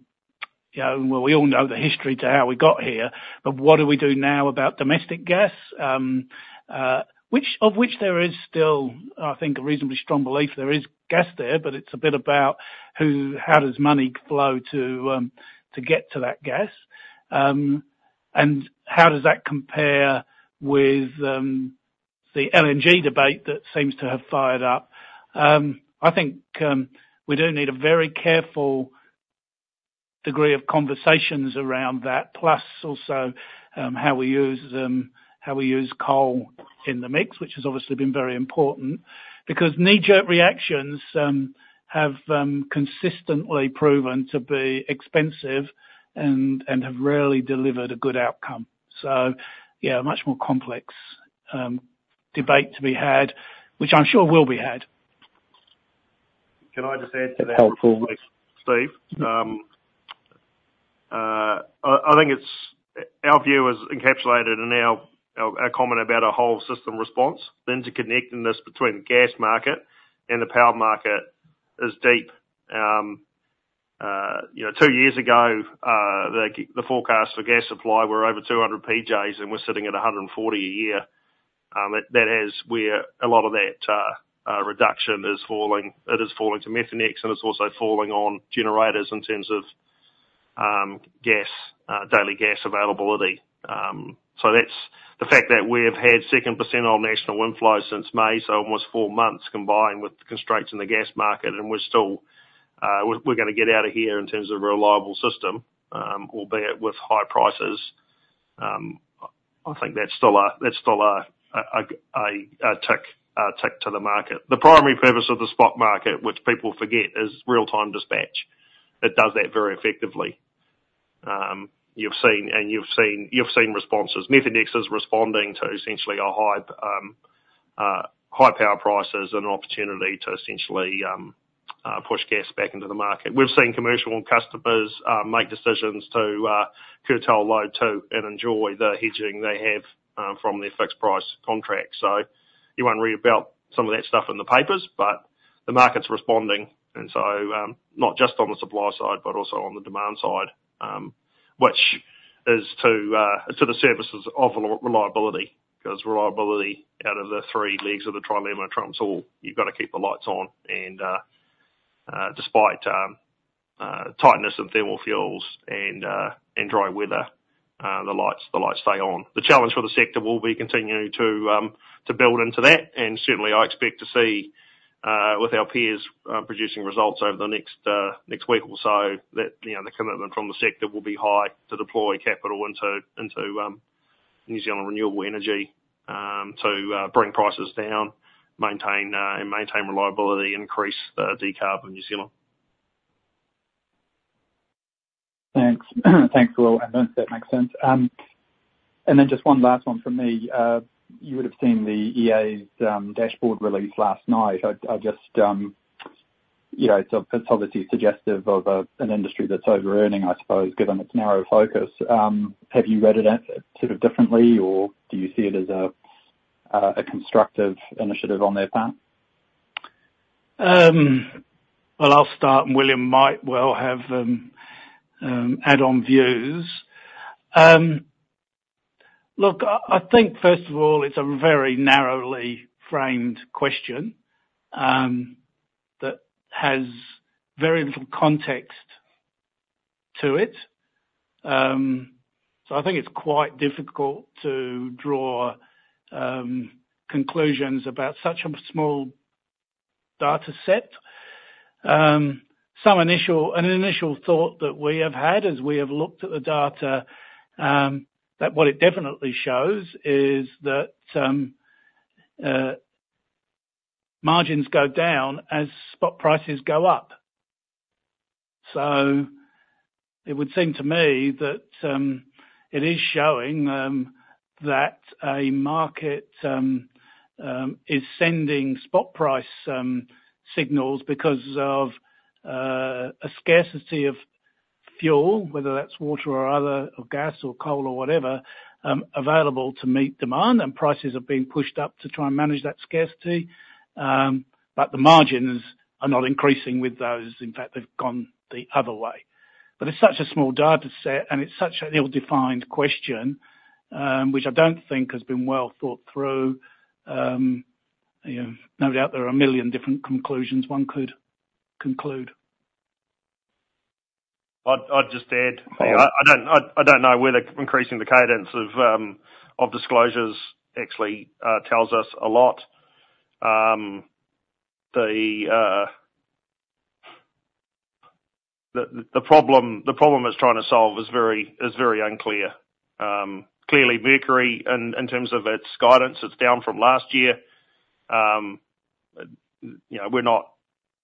Well, we all know the history to how we got here, but what do we do now about domestic gas? which, of which there is still, I think, a reasonably strong belief there is gas there, but it's a bit about how money flows to get to that gas, and how does that compare with the LNG debate that seems to have fired up? I think we do need a very careful degree of conversations around that, plus also how we use coal in the mix, which has obviously been very important. Because knee-jerk reactions have consistently proven to be expensive and have rarely delivered a good outcome. Yeah, a much more complex debate to be had, which I'm sure will be had. Can I just add to that? Helpful. Steve? I think our view is encapsulated in our comment about a whole system response. The connection between the gas market and the power market is deep. You know, two years ago, the forecast for gas supply were over 200 PJs, and we're sitting at 140 a year. That is where a lot of that reduction is falling. It is falling to Methanex, and it's also falling on generators in terms of daily gas availability. So that's the fact that we have had 2% on national wind flows since May, so almost four months, combined with the constraints in the gas market, and we're still gonna get out of here in terms of a reliable system, albeit with high prices. I think that's still a tick to the market. The primary purpose of the spot market, which people forget, is real-time dispatch. It does that very effectively. You've seen responses. Methanex is responding to essentially a high power prices, and an opportunity to essentially push gas back into the market. We've seen commercial customers make decisions to curtail load too, and enjoy the hedging they have from their fixed price contracts. So you won't read about some of that stuff in the papers, but the market's responding, and so not just on the supply side, but also on the demand side, which is to the services of reliability, 'cause reliability out of the three legs of the trilemma, you've gotta keep the lights on. And despite tightness in thermal fuels and dry weather, the lights stay on. The challenge for the sector will be continuing to build into that, and certainly I expect to see with our peers producing results over the next week or so, that you know the commitment from the sector will be high to deploy capital into... New Zealand Renewable Energy to bring prices down, maintain reliability, increase decarb in New Zealand. Thanks. Thanks, Will, and Vince, that makes sense. And then just one last one from me. You would've seen the EA's dashboard release last night. I just, you know, it's obviously suggestive of an industry that's overearning, I suppose, given its narrow focus. Have you read it sort of differently, or do you see it as a constructive initiative on their part? I'll start, and William might well have add-on views. Look, I think first of all, it's a very narrowly framed question that has very little context to it. I think it's quite difficult to draw conclusions about such a small data set. An initial thought that we have had as we have looked at the data is that what it definitely shows is that margins go down as spot prices go up. It would seem to me that it is showing that a market is sending spot price signals because of a scarcity of fuel, whether that's water or other, or gas, or coal, or whatever, available to meet demand, and prices are being pushed up to try and manage that scarcity. But the margins are not increasing with those, in fact, they've gone the other way. But it's such a small data set, and it's such an ill-defined question, which I don't think has been well thought through. You know, no doubt there are a million different conclusions one could conclude. I'd just add. I don't know whether increasing the cadence of disclosures actually tells us a lot. The problem it's trying to solve is very unclear. Clearly, Mercury, in terms of its guidance, it's down from last year. You know, we're not.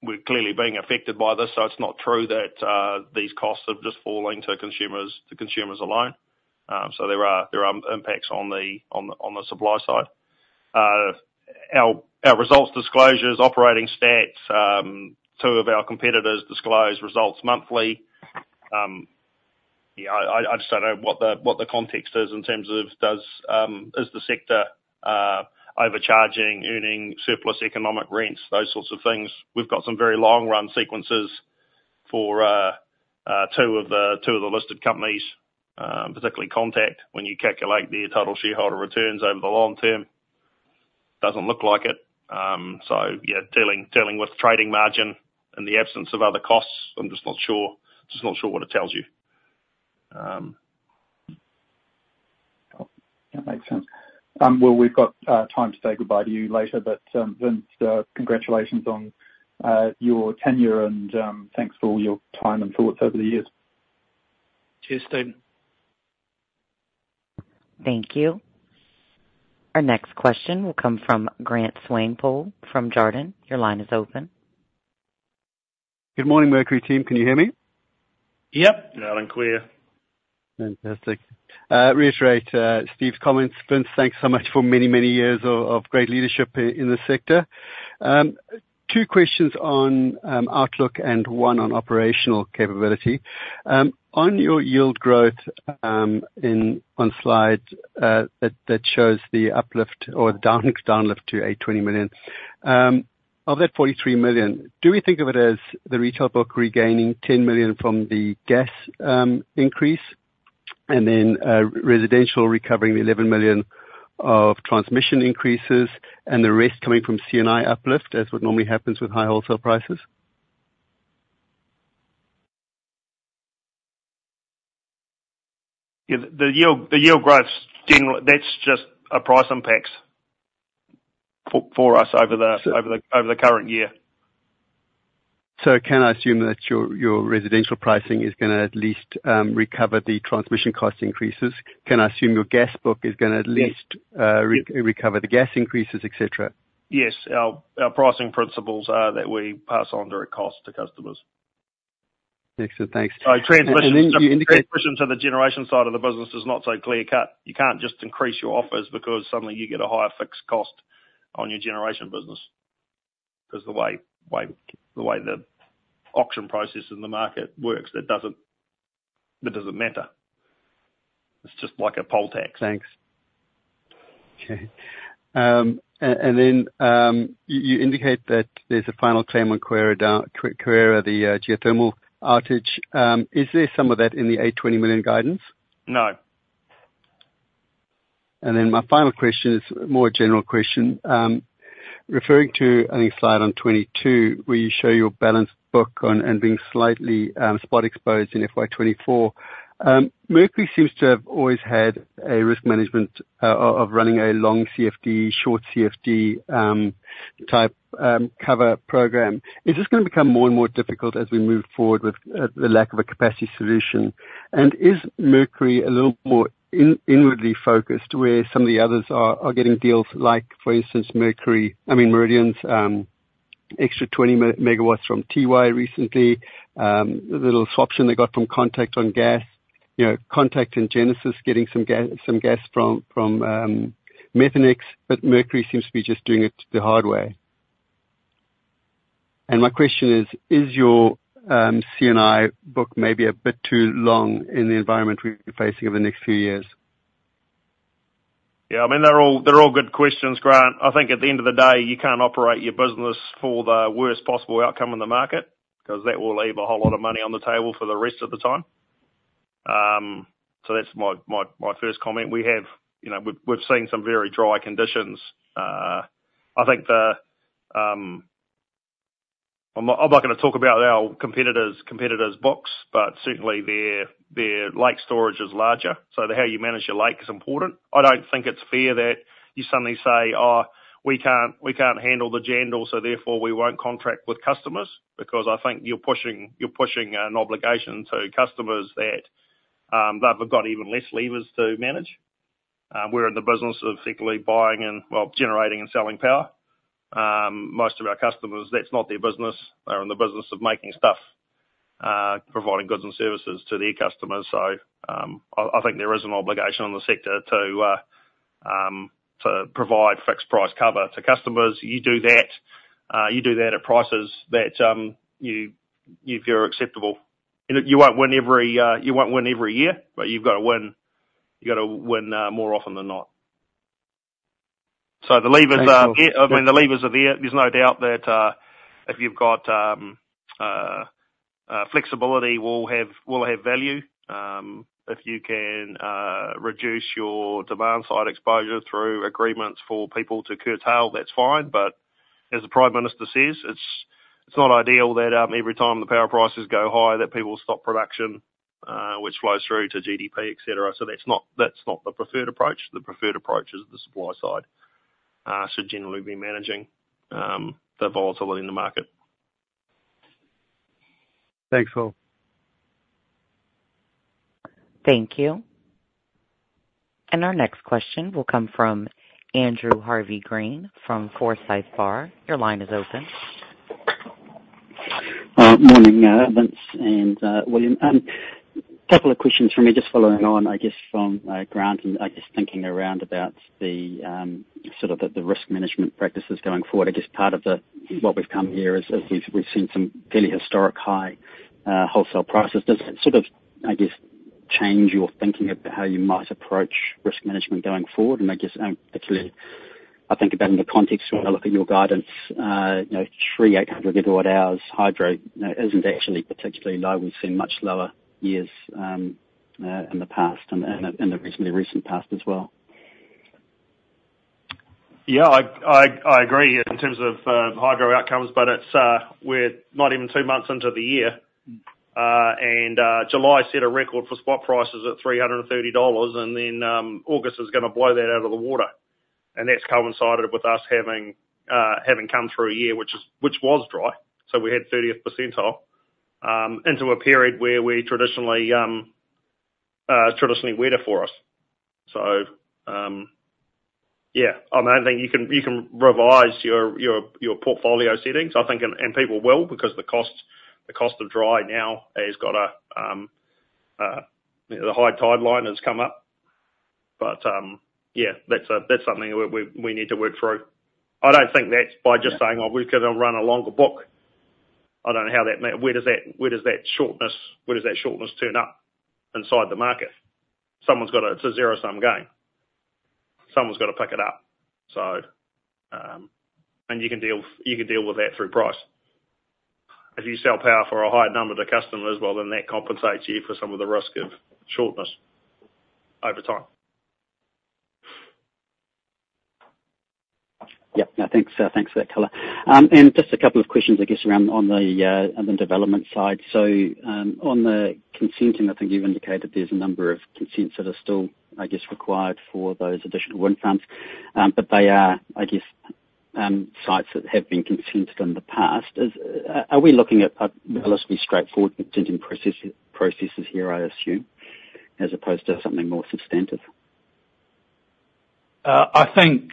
We're clearly being affected by this, so it's not true that these costs are just falling to consumers alone. So there are impacts on the supply side. Our results disclosures, operating stats, two of our competitors disclose results monthly. Yeah, I just don't know what the context is in terms of is the sector overcharging, earning surplus economic rents, those sorts of things. We've got some very long run sequences for two of the listed companies, particularly Contact. When you calculate their total shareholder returns over the long term, doesn't look like it. So yeah, dealing with trading margin in the absence of other costs, I'm just not sure what it tells you. That makes sense. Well, we've got time to say goodbye to you later, but Vince, congratulations on your tenure and thanks for all your time and thoughts over the years. Cheers, Stephen. Thank you. Our next question will come from Grant Swanepoel from Jarden. Your line is open. Good morning, Mercury team, can you hear me? Yep.Loud and clear. Fantastic. Reiterate Steve's comments, Vince, thanks so much for many, many years of great leadership in this sector. Two questions on outlook and one on operational capability. On your yield growth, on slide that shows the uplift or downlift to $820 million. Of that $43 million, do we think of it as the retail book regaining $10 million from the gas increase, and then, residential recovering $11 million of transmission increases, and the rest coming from C&I uplift, as what normally happens with high wholesale prices? Yeah, the yield growth's general- that's just a price impact for us over the- S-... over the current year. So can I assume that your residential pricing is gonna at least recover the transmission cost increases? Can I assume your gas book is gonna at least- Yes... recover the gas increases, et cetera? Yes. Our pricing principles are that we pass on direct costs to customers. Excellent, thanks. Uh, transmission- And then you indicate- Transmission to the generation side of the business is not so clear-cut. You can't just increase your offers because suddenly you get a higher fixed cost on your generation business. Because the way the auction process in the market works, it doesn't matter. It's just like a poll tax. Thanks. Okay. And then you indicate that there's a final claim on Kawerau, the geothermal outage. Is there some of that in the 820 million guidance? No. And then my final question is a more general question. Referring to, I think, slide 22, where you show your balanced book on, and being slightly spot-exposed in FY 2024. Mercury seems to have always had a risk management of running a long CFD, short CFD type cover program. Is this gonna become more and more difficult as we move forward with the lack of a capacity solution? And is Mercury a little more inwardly focused, where some of the others are getting deals, like, for instance, Mercury. I mean, Meridian's extra 20 megawatts from Tiwai recently, a little swap option they got from Contact on gas, you know, Contact and Genesis getting some gas from Methanex, but Mercury seems to be just doing it the hard way. My question is, is your C&I book maybe a bit too long in the environment we're facing over the next few years? Yeah, I mean, they're all, they're all good questions, Grant. I think at the end of the day, you can't operate your business for the worst possible outcome in the market, 'cause that will leave a whole lot of money on the table for the rest of the time. So that's my first comment. We have, you know, we've seen some very dry conditions. I think I'm not gonna talk about our competitors, competitors' books, but certainly their lake storage is larger, so how you manage your lake is important. I don't think it's fair that you suddenly say, "Oh, we can't handle the jandal, so therefore we won't contract with customers," because I think you're pushing an obligation to customers that they've got even less levers to manage. We're in the business of effectively buying and, well, generating and selling power. Most of our customers, that's not their business. They're in the business of making stuff, providing goods and services to their customers. So, I think there is an obligation on the sector to provide fixed price cover to customers. You do that, you do that at prices that you feel are acceptable. And you won't win every year, but you've got to win more often than not. So the levers are- Thanks, Phil. I mean, the levers are there. There's no doubt that if you've got flexibility, will have value. If you can reduce your demand-side exposure through agreements for people to curtail, that's fine. But as the Prime Minister says, it's not ideal that every time the power prices go high, that people stop production, which flows through to GDP, et cetera. So that's not the preferred approach. The preferred approach is the supply side should generally be managing the volatility in the market. Thanks, Phil. Thank you. And our next question will come from Andrew Harvey-Green from Forsyth Barr. Your line is open. Morning, Vince and William. Couple of questions from me, just following on, I guess, from Grant, and I just thinking around about the sort of the risk management practices going forward. I guess part of the, what we've come here is, we've seen some fairly historic high wholesale prices. Does that sort of, I guess, change your thinking about how you might approach risk management going forward? And I guess, particularly, I think about in the context when I look at your guidance, you know, 3,800 megawatt hours hydro, you know, isn't actually particularly low. We've seen much lower years in the past and in the recent past as well. Yeah, I agree in terms of hydro outcomes, but it's we're not even two months into the year. And July set a record for spot prices at NZ$330, and then August is gonna blow that out of the water. And that's coincided with us having having come through a year which was dry, so we had thirtieth percentile into a period where we traditionally traditionally wetter for us. So yeah, I mean, I think you can revise your portfolio settings, I think, and people will, because the cost of dry now has got a the high tide line has come up. But yeah, that's something we need to work through. I don't think that's by just saying, "Well, we're gonna run a longer book." I don't know how that. Where does that shortness turn up inside the market? It's a zero-sum game. Someone's gotta pick it up, so, and you can deal with that through price. If you sell power for a higher number to customers, well, then that compensates you for some of the risk of shortness over time. Yep. No, thanks, thanks for that color. And just a couple of questions, I guess, around the development side. So, on the consenting, I think you've indicated there's a number of consents that are still, I guess, required for those additional wind farms. But they are, I guess, sites that have been consented in the past. Are we looking at a relatively straightforward consenting processes here, I assume, as opposed to something more substantive? I think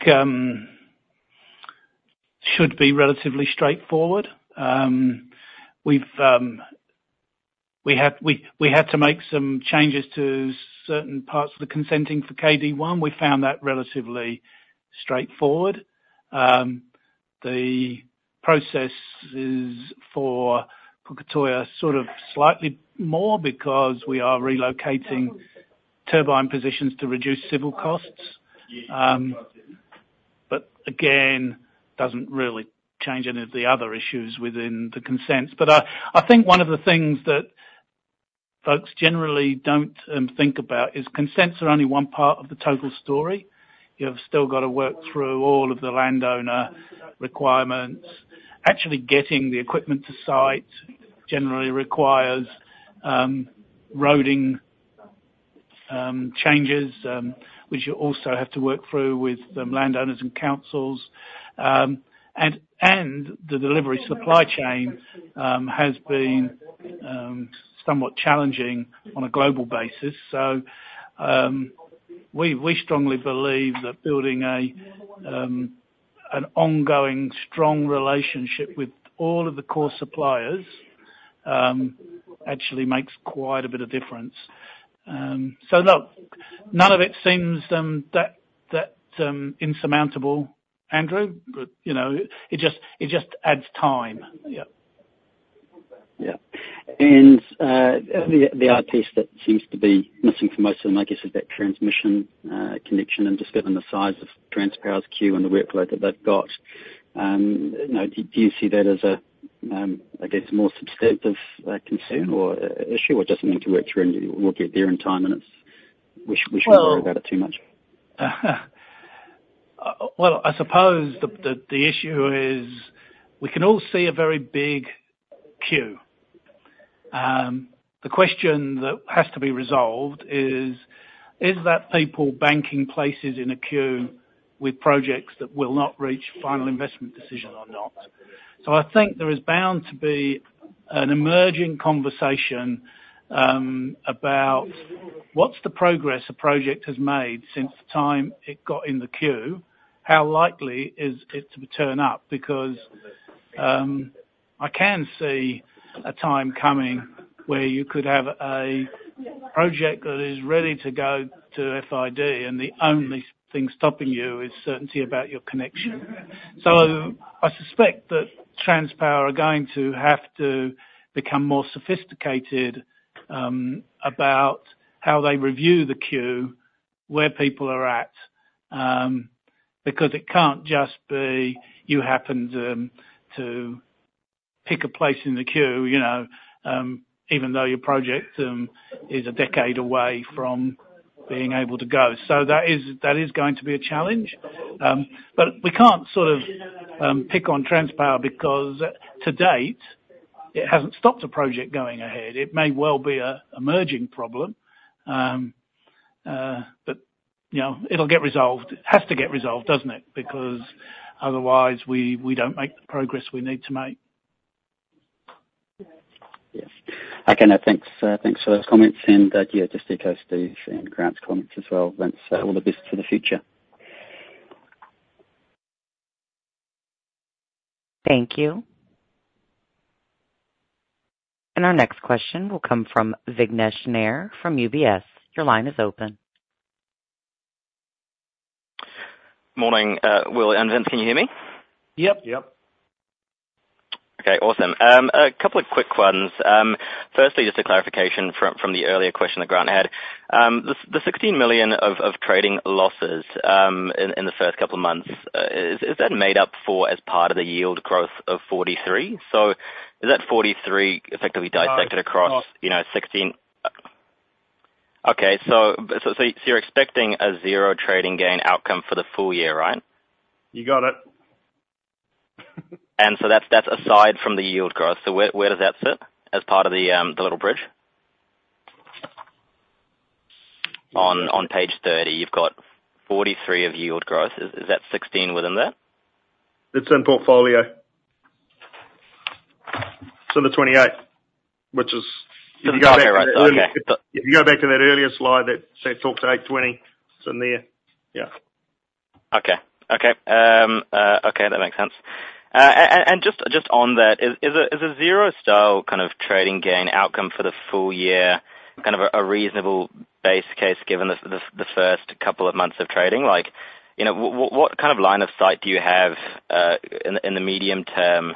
should be relatively straightforward. We've had to make some changes to certain parts of the consenting for KD1. We found that relatively straightforward. The processes for Puketoi are sort of slightly more, because we are relocating turbine positions to reduce civil costs, but again, doesn't really change any of the other issues within the consents, but I think one of the things that folks generally don't think about is consents are only one part of the total story. You've still got to work through all of the landowner requirements. Actually getting the equipment to site generally requires roading changes, which you also have to work through with the landowners and councils. And the delivery supply chain has been somewhat challenging on a global basis. So... We strongly believe that building an ongoing strong relationship with all of the core suppliers actually makes quite a bit of difference. So look, none of it seems that insurmountable, Andrew, but you know, it just adds time. Yep. Yeah. And, the, the piece that seems to be missing for most of them, I guess, is that transmission, connection, and just given the size of Transpower's queue and the workload that they've got, you know, do you see that as a, I guess, more substantive, concern or a issue? It just need to work through, and we'll get there in time, and it's, we shouldn't- Well- worry about it too much. I suppose the issue is we can all see a very big queue. The question that has to be resolved is, is that people banking places in a queue with projects that will not reach final investment decision or not? So I think there is bound to be an emerging conversation about what's the progress a project has made since the time it got in the queue? How likely is it to turn up? Because I can see a time coming where you could have a project that is ready to go to FID, and the only thing stopping you is certainty about your connection. So I suspect that Transpower are going to have to become more sophisticated about how they review the queue, where people are at, because it can't just be you happen to pick a place in the queue, you know, even though your project is a decade away from being able to go. So that is going to be a challenge. But we can't sort of pick on Transpower, because to date, it hasn't stopped a project going ahead. It may well be an emerging problem, but you know, it'll get resolved. It has to get resolved, doesn't it? Because otherwise we don't make the progress we need to make. Yes. Okay, now, thanks for those comments, and, yeah, just echo Steve and Grant's comments as well. Vince, all the best for the future. Thank you. And our next question will come from Vignesh Nair from UBS. Your line is open. Morning, Will and Vince, can you hear me? Yep. Yep. Okay, awesome. A couple of quick ones. Firstly, just a clarification from the earlier question that Grant had. The 16 million of trading losses in the first couple of months, is that made up for as part of the yield growth of 43? So is that 43 effectively dissected- No, it's not. Okay, so you're expecting a zero trading gain outcome for the full year, right? You got it. That's aside from the yield growth. Where does that sit as part of the little bridge? On page 30, you've got 43 of yield growth. Is that 16 within that? It's in portfolio. It's on the 28, which is- Okay. If you go back to that earlier slide that says talks to 820, it's in there. Yeah. Okay. And just on that, is a zero style kind of trading gain outcome for the full year a reasonable base case given the first couple of months of trading? Like, you know, what kind of line of sight do you have in the medium term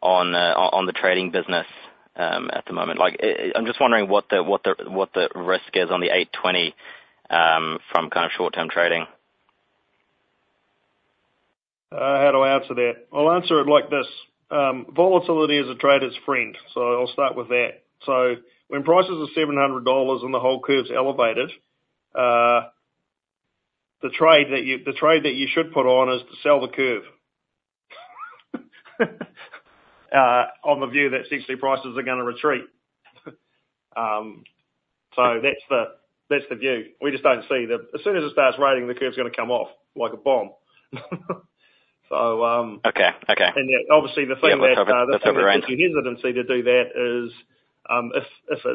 on the trading business at the moment? Like, I'm just wondering what the risk is on the 820 from kind of short-term trading. How do I answer that? I'll answer it like this: volatility is a trader's friend, so I'll start with that. When prices are NZ$700 and the whole curve's elevated, the trade that you should put on is to sell the curve. On the view that CC prices are gonna retreat. So that's the view. We just don't see the... As soon as it starts raining, the curve's gonna come off like a bomb. So Okay, okay. And yet obviously, the thing that- That's okay. The hesitancy to do that is,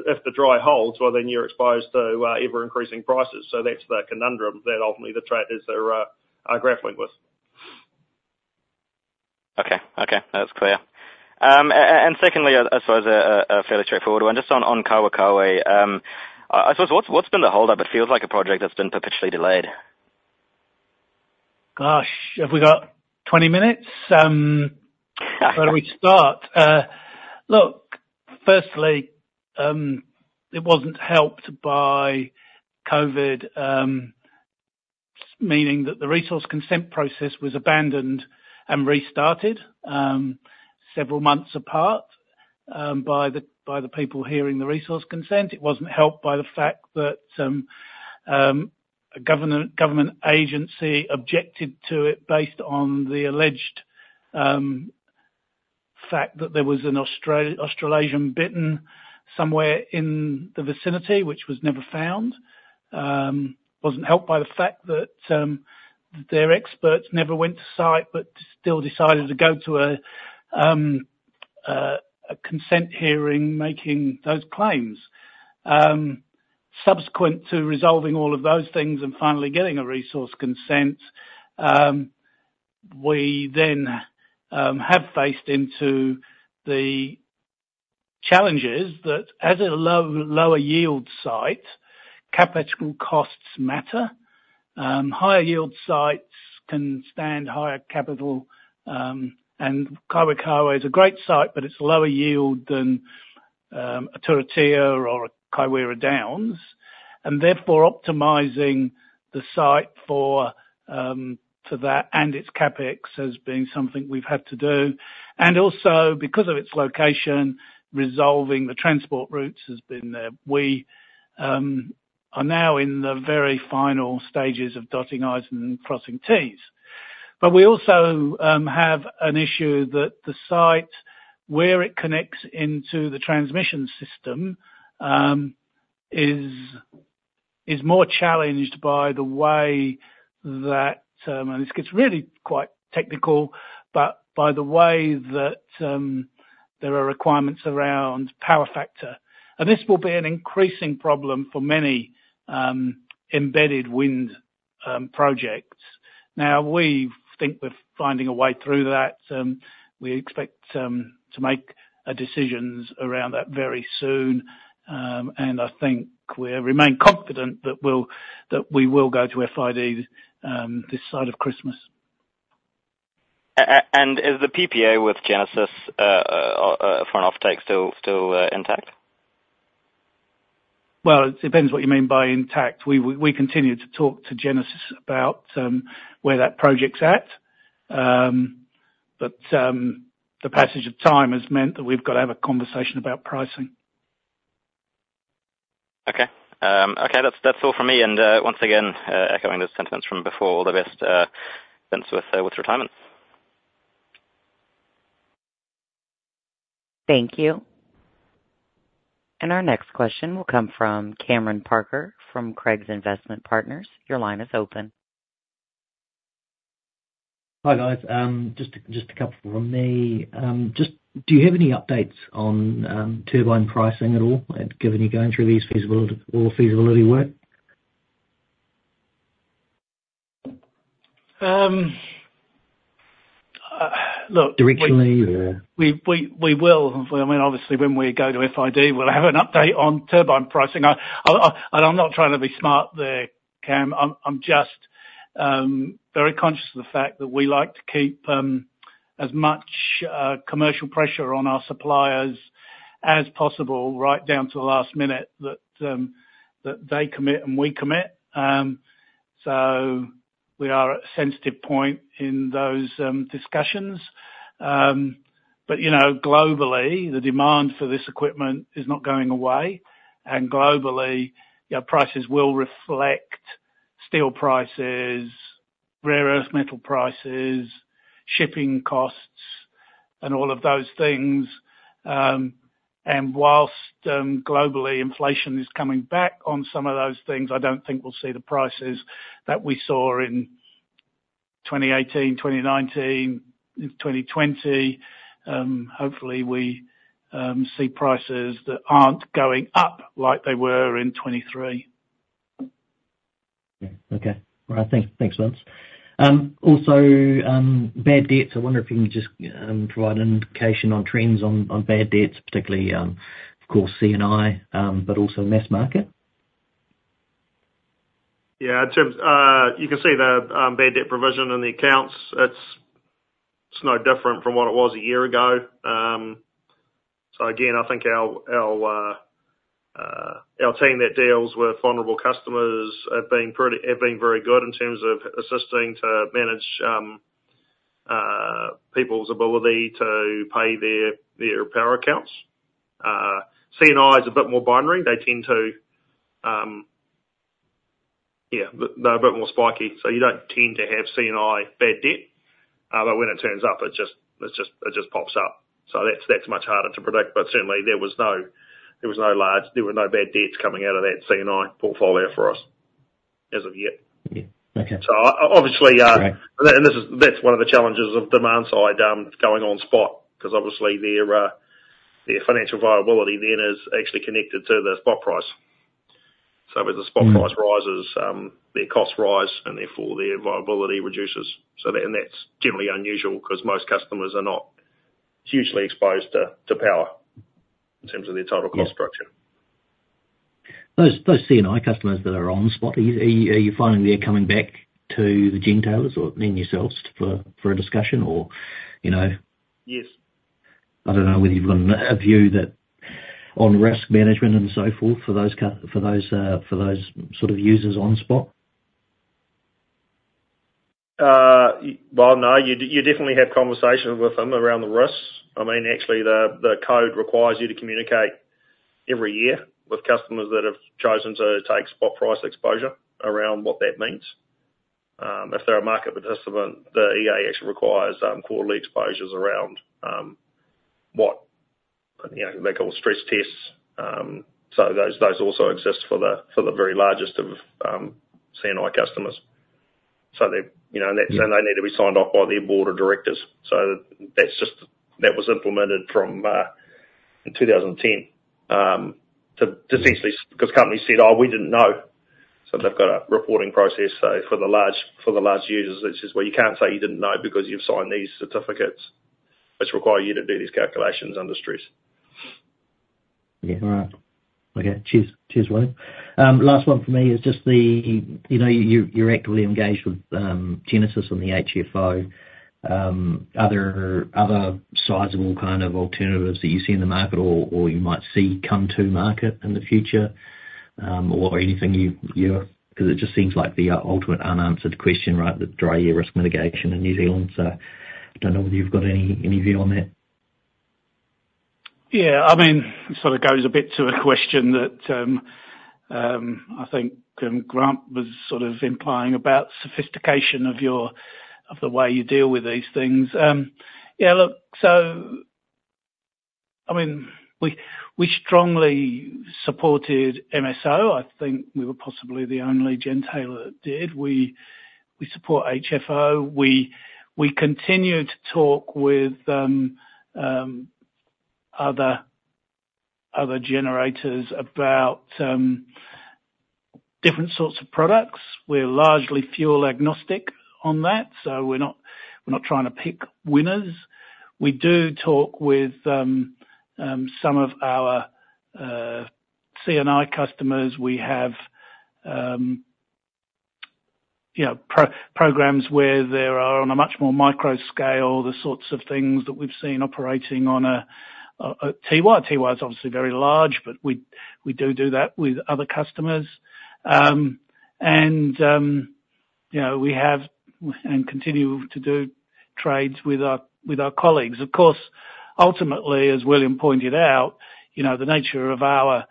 if the dry holds, well, then you're exposed to ever increasing prices. So that's the conundrum that ultimately the traders are grappling with. Okay, okay, that's clear. And secondly, I suppose a fairly straightforward one, just on Kawerau. I suppose, what's been the hold up? It feels like a project that's been perpetually delayed. Gosh, have we got 20 minutes? Where do we start? Look, firstly, it wasn't helped by COVID, meaning that the resource consent process was abandoned and restarted several months apart by the people hearing the resource consent. It wasn't helped by the fact that a government agency objected to it based on the alleged fact that there was an Australasian Bittern somewhere in the vicinity, which was never found. Wasn't helped by the fact that their experts never went to site, but still decided to go to a consent hearing, making those claims. Subsequent to resolving all of those things and finally getting a resource consent, we then have faced into the challenges that as a lower yield site, capital costs matter. Higher yield sites can stand higher capital, and Kaiwaikawe is a great site, but it's lower yield than a Turitea or a Kaiwera Downs, and therefore optimizing the site for that and its CapEx as being something we've had to do, and also, because of its location, resolving the transport routes has been. We are now in the very final stages of dotting i's and crossing t's. But we also have an issue that the site, where it connects into the transmission system, is more challenged by the way that, and this gets really quite technical, but by the way that there are requirements around power factor, and this will be an increasing problem for many embedded wind projects. Now, we think we're finding a way through that. We expect to make decisions around that very soon, and I think we remain confident that we will go to FID this side of Christmas. Is the PPA with Genesis for an offtake still intact? It depends what you mean by intact. We continue to talk to Genesis about where that project's at. But the passage of time has meant that we've got to have a conversation about pricing. Okay. Okay, that's all from me, and once again, echoing the sentiments from before: all the best, Vince, with retirement. Thank you. And our next question will come from Cameron Parker, from Craigs Investment Partners. Your line is open. Hi, guys. Just a couple from me. Do you have any updates on turbine pricing at all, given you're going through all the feasibility work? Um, uh, look- Directionally or? We will. I mean, obviously when we go to FID, we'll have an update on turbine pricing. And I'm not trying to be smart there, Cam. I'm just very conscious of the fact that we like to keep as much commercial pressure on our suppliers as possible, right down to the last minute, that they commit and we commit. So we are at a sensitive point in those discussions. But you know, globally, the demand for this equipment is not going away, and globally, yeah, prices will reflect steel prices, rare earth metal prices, shipping costs, and all of those things. And while globally inflation is coming back on some of those things, I don't think we'll see the prices that we saw in 2018, 2019, 2020. Hopefully we see prices that aren't going up like they were in 2023. Okay. All right, thanks. Thanks, Vince. Also, bad debts. I wonder if you can just provide an indication on trends in bad debts, particularly, of course, C&I, but also mass market? Yeah, in terms... you can see the bad debt provision in the accounts. It's no different from what it was a year ago. So again, I think our team that deals with vulnerable customers have been very good in terms of assisting to manage people's ability to pay their power accounts. C&I is a bit more binary. They tend to... Yeah, they're a bit more spiky, so you don't tend to have C&I bad debt, but when it turns up, it just pops up. So that's much harder to predict, but certainly there were no large bad debts coming out of that C&I portfolio for us as of yet. Yeah. Okay. Obviously, Great. This is, that's one of the challenges of demand side going on spot, 'cause obviously their financial viability then is actually connected to the spot price. So as the spot price- Mm-hmm... rises, their costs rise, and therefore their viability reduces. So that, and that's generally unusual, 'cause most customers are not hugely exposed to power in terms of their total cost structure. Those C&I customers that are on spot, are you finding they're coming back to the gentailers or and yourselves for a discussion or, you know? Yes. I don't know whether you've got a view that, on risk management and so forth, for those sort of users on spot. Well, no, you definitely have conversations with them around the risks. I mean, actually, the Code requires you to communicate every year with customers that have chosen to take spot price exposure around what that means. If they're a market participant, the EA actually requires quarterly exposures around what, you know, they call stress tests. So those also exist for the very largest of C&I customers. So they, you know, and that, so they need to be signed off by their board of directors. That's just that was implemented from in 2010 to essentially because companies said, "Oh, we didn't know." They've got a reporting process for the large users, which is where you can't say you didn't know because you've signed these certificates, which require you to do these calculations under stress. Yeah. All right. Okay. Cheers. Cheers, William. Last one for me is just the, you know, you're actively engaged with Genesis and the HFO. Are there other sizable kind of alternatives that you see in the market or you might see come to market in the future? Or anything you... Because it just seems like the ultimate unanswered question, right? The dry year risk mitigation in New Zealand. So don't know whether you've got any view on that. Yeah, I mean, it sort of goes a bit to a question that I think Grant was sort of implying about sophistication of your, of the way you deal with these things. Yeah, look, so I mean, we strongly supported MSO. I think we were possibly the only gentailer that did. We support HFO. We continue to talk with other generators about different sorts of products. We're largely fuel agnostic on that, so we're not trying to pick winners. We do talk with some of our CNI customers. We have, you know, programs where there are, on a much more micro scale, the sorts of things that we've seen operating on a Tiwai. Tiwai is obviously very large, but we do that with other customers. And, you know, we have, and continue to do trades with our colleagues. Of course, ultimately, as William pointed out, you know, the nature of our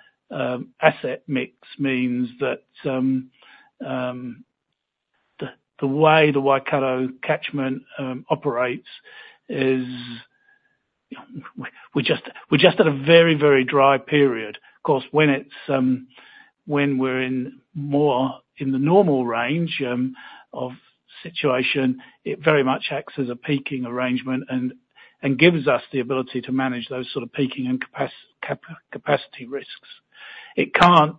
asset mix means that the way the Waikato catchment operates is... We just had a very, very dry period. Of course, when we're in more in the normal range of situation, it very much acts as a peaking arrangement and gives us the ability to manage those sort of peaking and capacity risks. It can't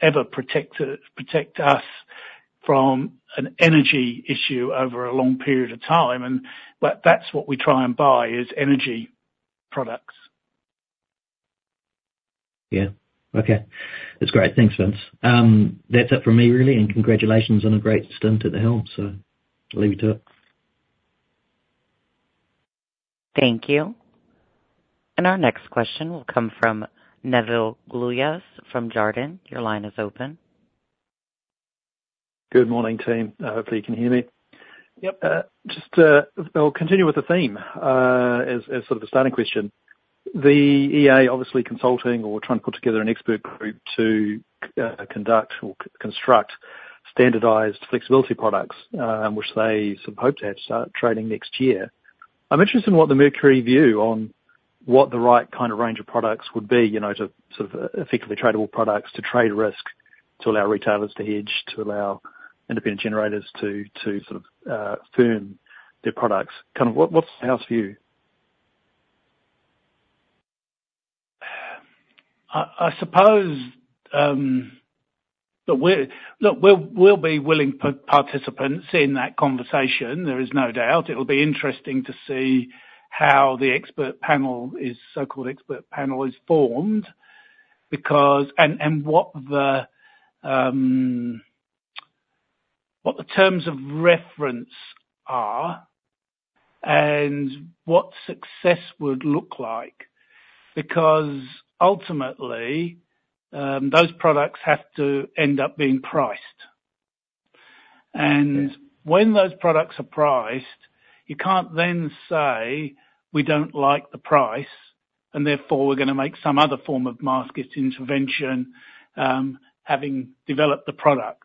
ever protect us from an energy issue over a long period of time, and but that's what we try and buy, is energy products. Yeah. Okay. That's great. Thanks, Vince. That's it for me, really, and congratulations on a great stint at the helm. So I'll leave you to it. Thank you, and our next question will come from Neville Gluyas from Jarden. Your line is open. Good morning, team. Hopefully you can hear me. Yep. Just to, I'll continue with the theme, as sort of a starting question. The EA obviously consulting or trying to put together an expert group to conduct or construct standardized flexibility products, which they sort of hope to have start trading next year. I'm interested in what the Mercury view on what the right kind of range of products would be, you know, to sort of effectively tradable products, to trade risk, to allow retailers to hedge, to allow independent generators to sort of firm their products. Kind of what, what's the house view? I suppose, look, we'll be willing participants in that conversation, there is no doubt. It'll be interesting to see how the so-called expert panel is formed, because what the terms of reference are, and what success would look like, because ultimately, those products have to end up being priced. Yeah. When those products are priced, you can't then say, "We don't like the price, and therefore, we're gonna make some other form of market intervention," having developed the product.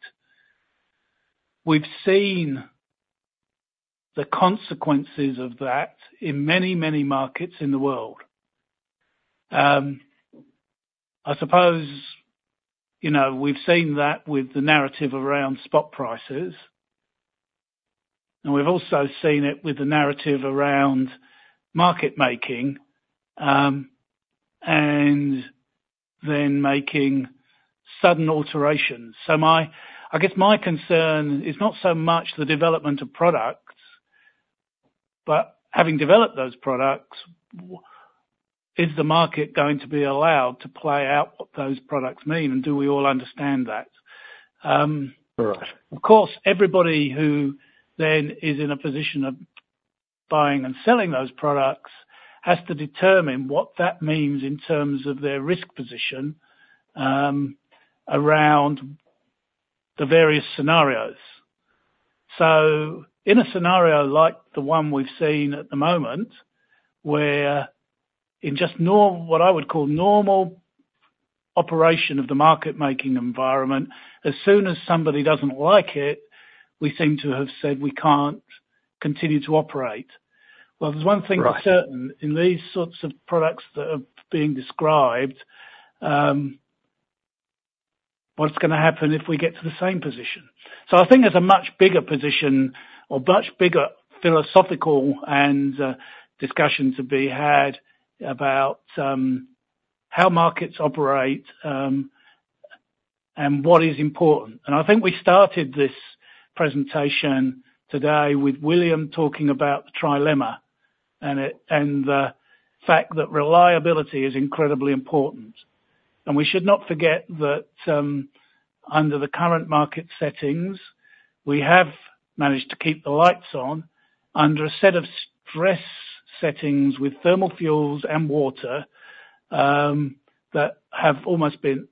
We've seen the consequences of that in many, many markets in the world. I suppose, you know, we've seen that with the narrative around spot prices, and we've also seen it with the narrative around market making, and then making sudden alterations. So my, I guess my concern is not so much the development of products, but having developed those products, is the market going to be allowed to play out what those products mean? And do we all understand that? Right. Of course, everybody who then is in a position of buying and selling those products has to determine what that means in terms of their risk position, around the various scenarios. So in a scenario like the one we've seen at the moment, where in just what I would call normal operation of the market-making environment, as soon as somebody doesn't like it, we seem to have said we can't continue to operate. Well, there's one thing- Right... that's certain, in these sorts of products that are being described. What's gonna happen if we get to the same position? So I think there's a much bigger position or much bigger philosophical and discussion to be had about how markets operate and what is important. And I think we started this presentation today with William talking about the trilemma, and the fact that reliability is incredibly important. And we should not forget that under the current market settings, we have managed to keep the lights on under a set of stress settings with thermal fuels and water that have almost been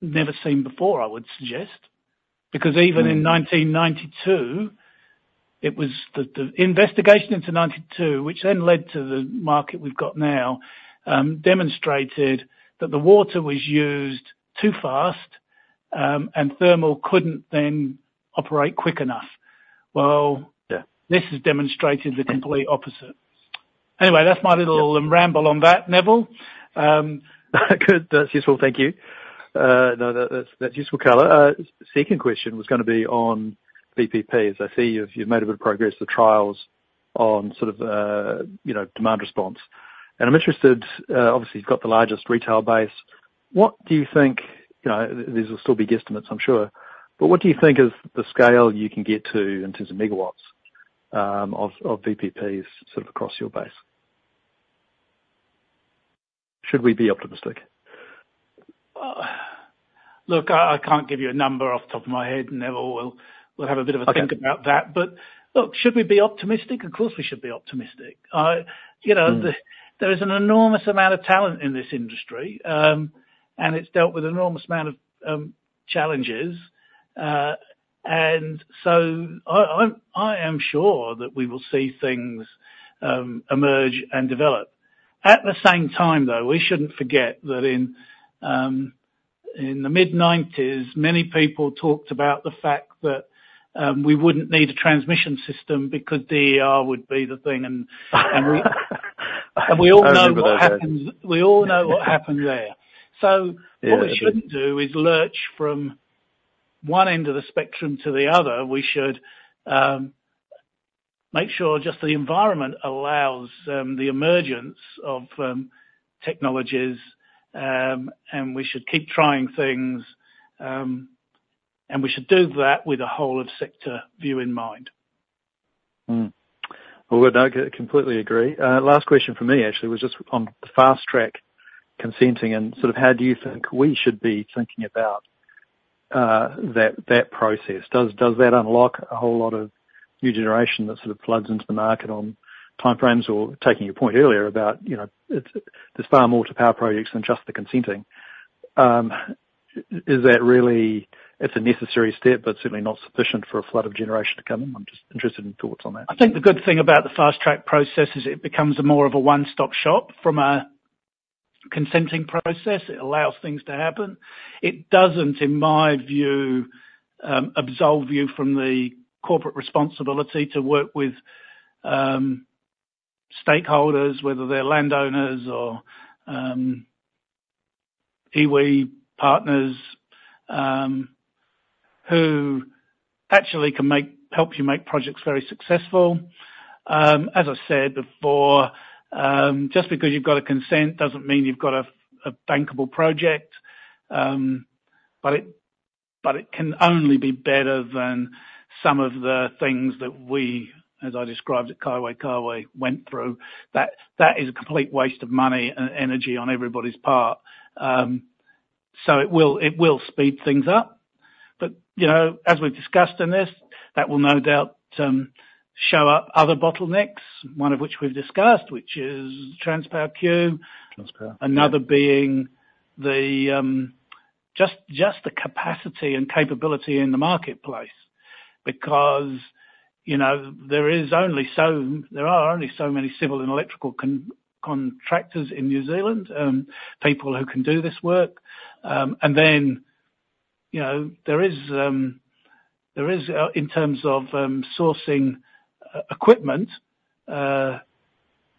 never seen before, I would suggest. Because even in 1992, it was the investigation into 1992, which then led to the market we've got now, demonstrated that the water was used too fast, and thermal couldn't then operate quick enough. Well- Yeah This has demonstrated the complete opposite. Anyway, that's my little ramble on that, Neville. Good. That's useful. Thank you. No, that's useful color. Second question was gonna be on VPP, as I see you've made a bit of progress with trials on sort of, you know, demand response. And I'm interested. Obviously, you've got the largest retail base. What do you think, you know, these will still be guesstimates, I'm sure. But what do you think is the scale you can get to in terms of megawatts of VPPs, sort of across your base? Should we be optimistic? Look, I can't give you a number off the top of my head, Neville. We'll have a bit of a think- Okay - about that. But, look, should we be optimistic? Of course, we should be optimistic. You know- Mm... There is an enormous amount of talent in this industry, and it's dealt with an enormous amount of challenges. And so I am sure that we will see things emerge and develop. At the same time, though, we shouldn't forget that in the mid-90s, many people talked about the fact that we wouldn't need a transmission system because DER would be the thing, and we all know what happens, we all know what happened there. Yeah. So what we shouldn't do is lurch from one end of the spectrum to the other. We should make sure just that the environment allows the emergence of technologies, and we should keep trying things, and we should do that with a whole of sector view in mind. Look, I completely agree. Last question from me actually was just on the fast-track consenting, and sort of how do you think we should be thinking about that process? Does that unlock a whole lot of new generation that sort of floods into the market on time frames? Or taking your point earlier about, you know, there's far more to power projects than just the consenting. Is that really... It's a necessary step, but certainly not sufficient for a flood of generation to come in. I'm just interested in thoughts on that. I think the good thing about the fast-track process is it becomes more of a one-stop shop from a consenting process. It allows things to happen. It doesn't, in my view, absolve you from the corporate responsibility to work with stakeholders, whether they're landowners or iwi partners, who actually can help you make projects very successful. As I said before, just because you've got a consent, doesn't mean you've got a bankable project. But it can only be better than some of the things that we, as I described at Kaiwera, went through. That is a complete waste of money and energy on everybody's part. So it will speed things up. But, you know, as we've discussed in this, that will no doubt show up other bottlenecks, one of which we've discussed, which is Transpower queue- Transpower... Another being the just the capacity and capability in the marketplace. Because, you know, there are only so many civil and electrical contractors in New Zealand, people who can do this work. And then, you know, there is, in terms of, sourcing equipment, there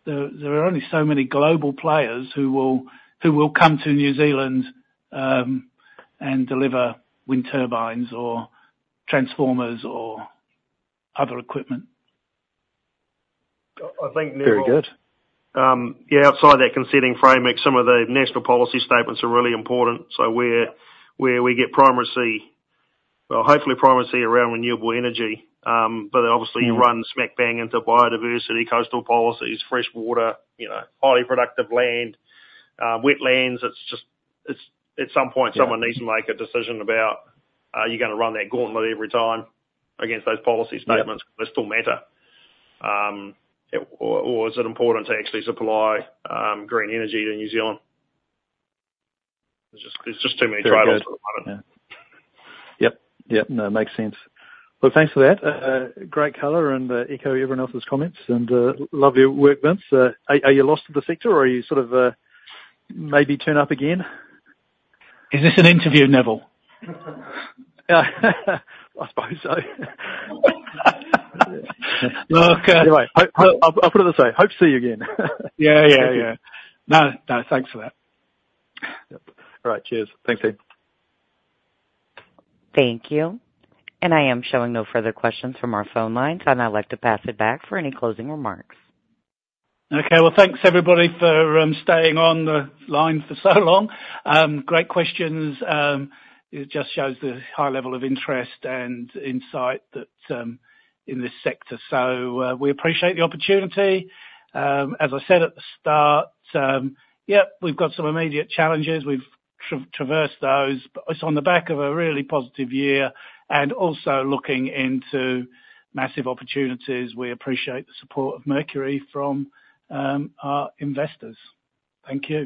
are only so many global players who will come to New Zealand, and deliver wind turbines or transformers or other equipment. I think, Neville- Very good. Yeah, outside that consenting framework, some of the National Policy Statements are really important. So where we get primacy, well, hopefully primacy around renewable energy, but obviously- Mm you run smack bang into biodiversity, coastal policies, fresh water, you know, highly productive land, wetlands. It's just... at some point- Yeah Someone needs to make a decision about, are you gonna run that gauntlet every time against those policy statements? Yeah. They still matter. Yeah, or is it important to actually supply green energy to New Zealand? There's just too many trades at the moment. Very good. Yeah. Yep. Yep. No, makes sense. Well, thanks for that. Great color, and echo everyone else's comments. And lovely work, Vince. Are you lost to the sector, or are you sort of maybe turn up again? Is this an interview, Neville? I suppose so. Look, uh- Anyway, I'll put it this way. Hope to see you again. Yeah, yeah, yeah. No, no, thanks for that. Yep. All right, cheers. Thanks, team. Thank you. And I am showing no further questions from our phone lines. I'd now like to pass it back for any closing remarks. Okay. Well, thanks, everybody, for staying on the line for so long. Great questions. It just shows the high level of interest and insight that in this sector. So, we appreciate the opportunity. As I said at the start, yep, we've got some immediate challenges. We've traversed those, but it's on the back of a really positive year and also looking into massive opportunities. We appreciate the support of Mercury from our investors. Thank you.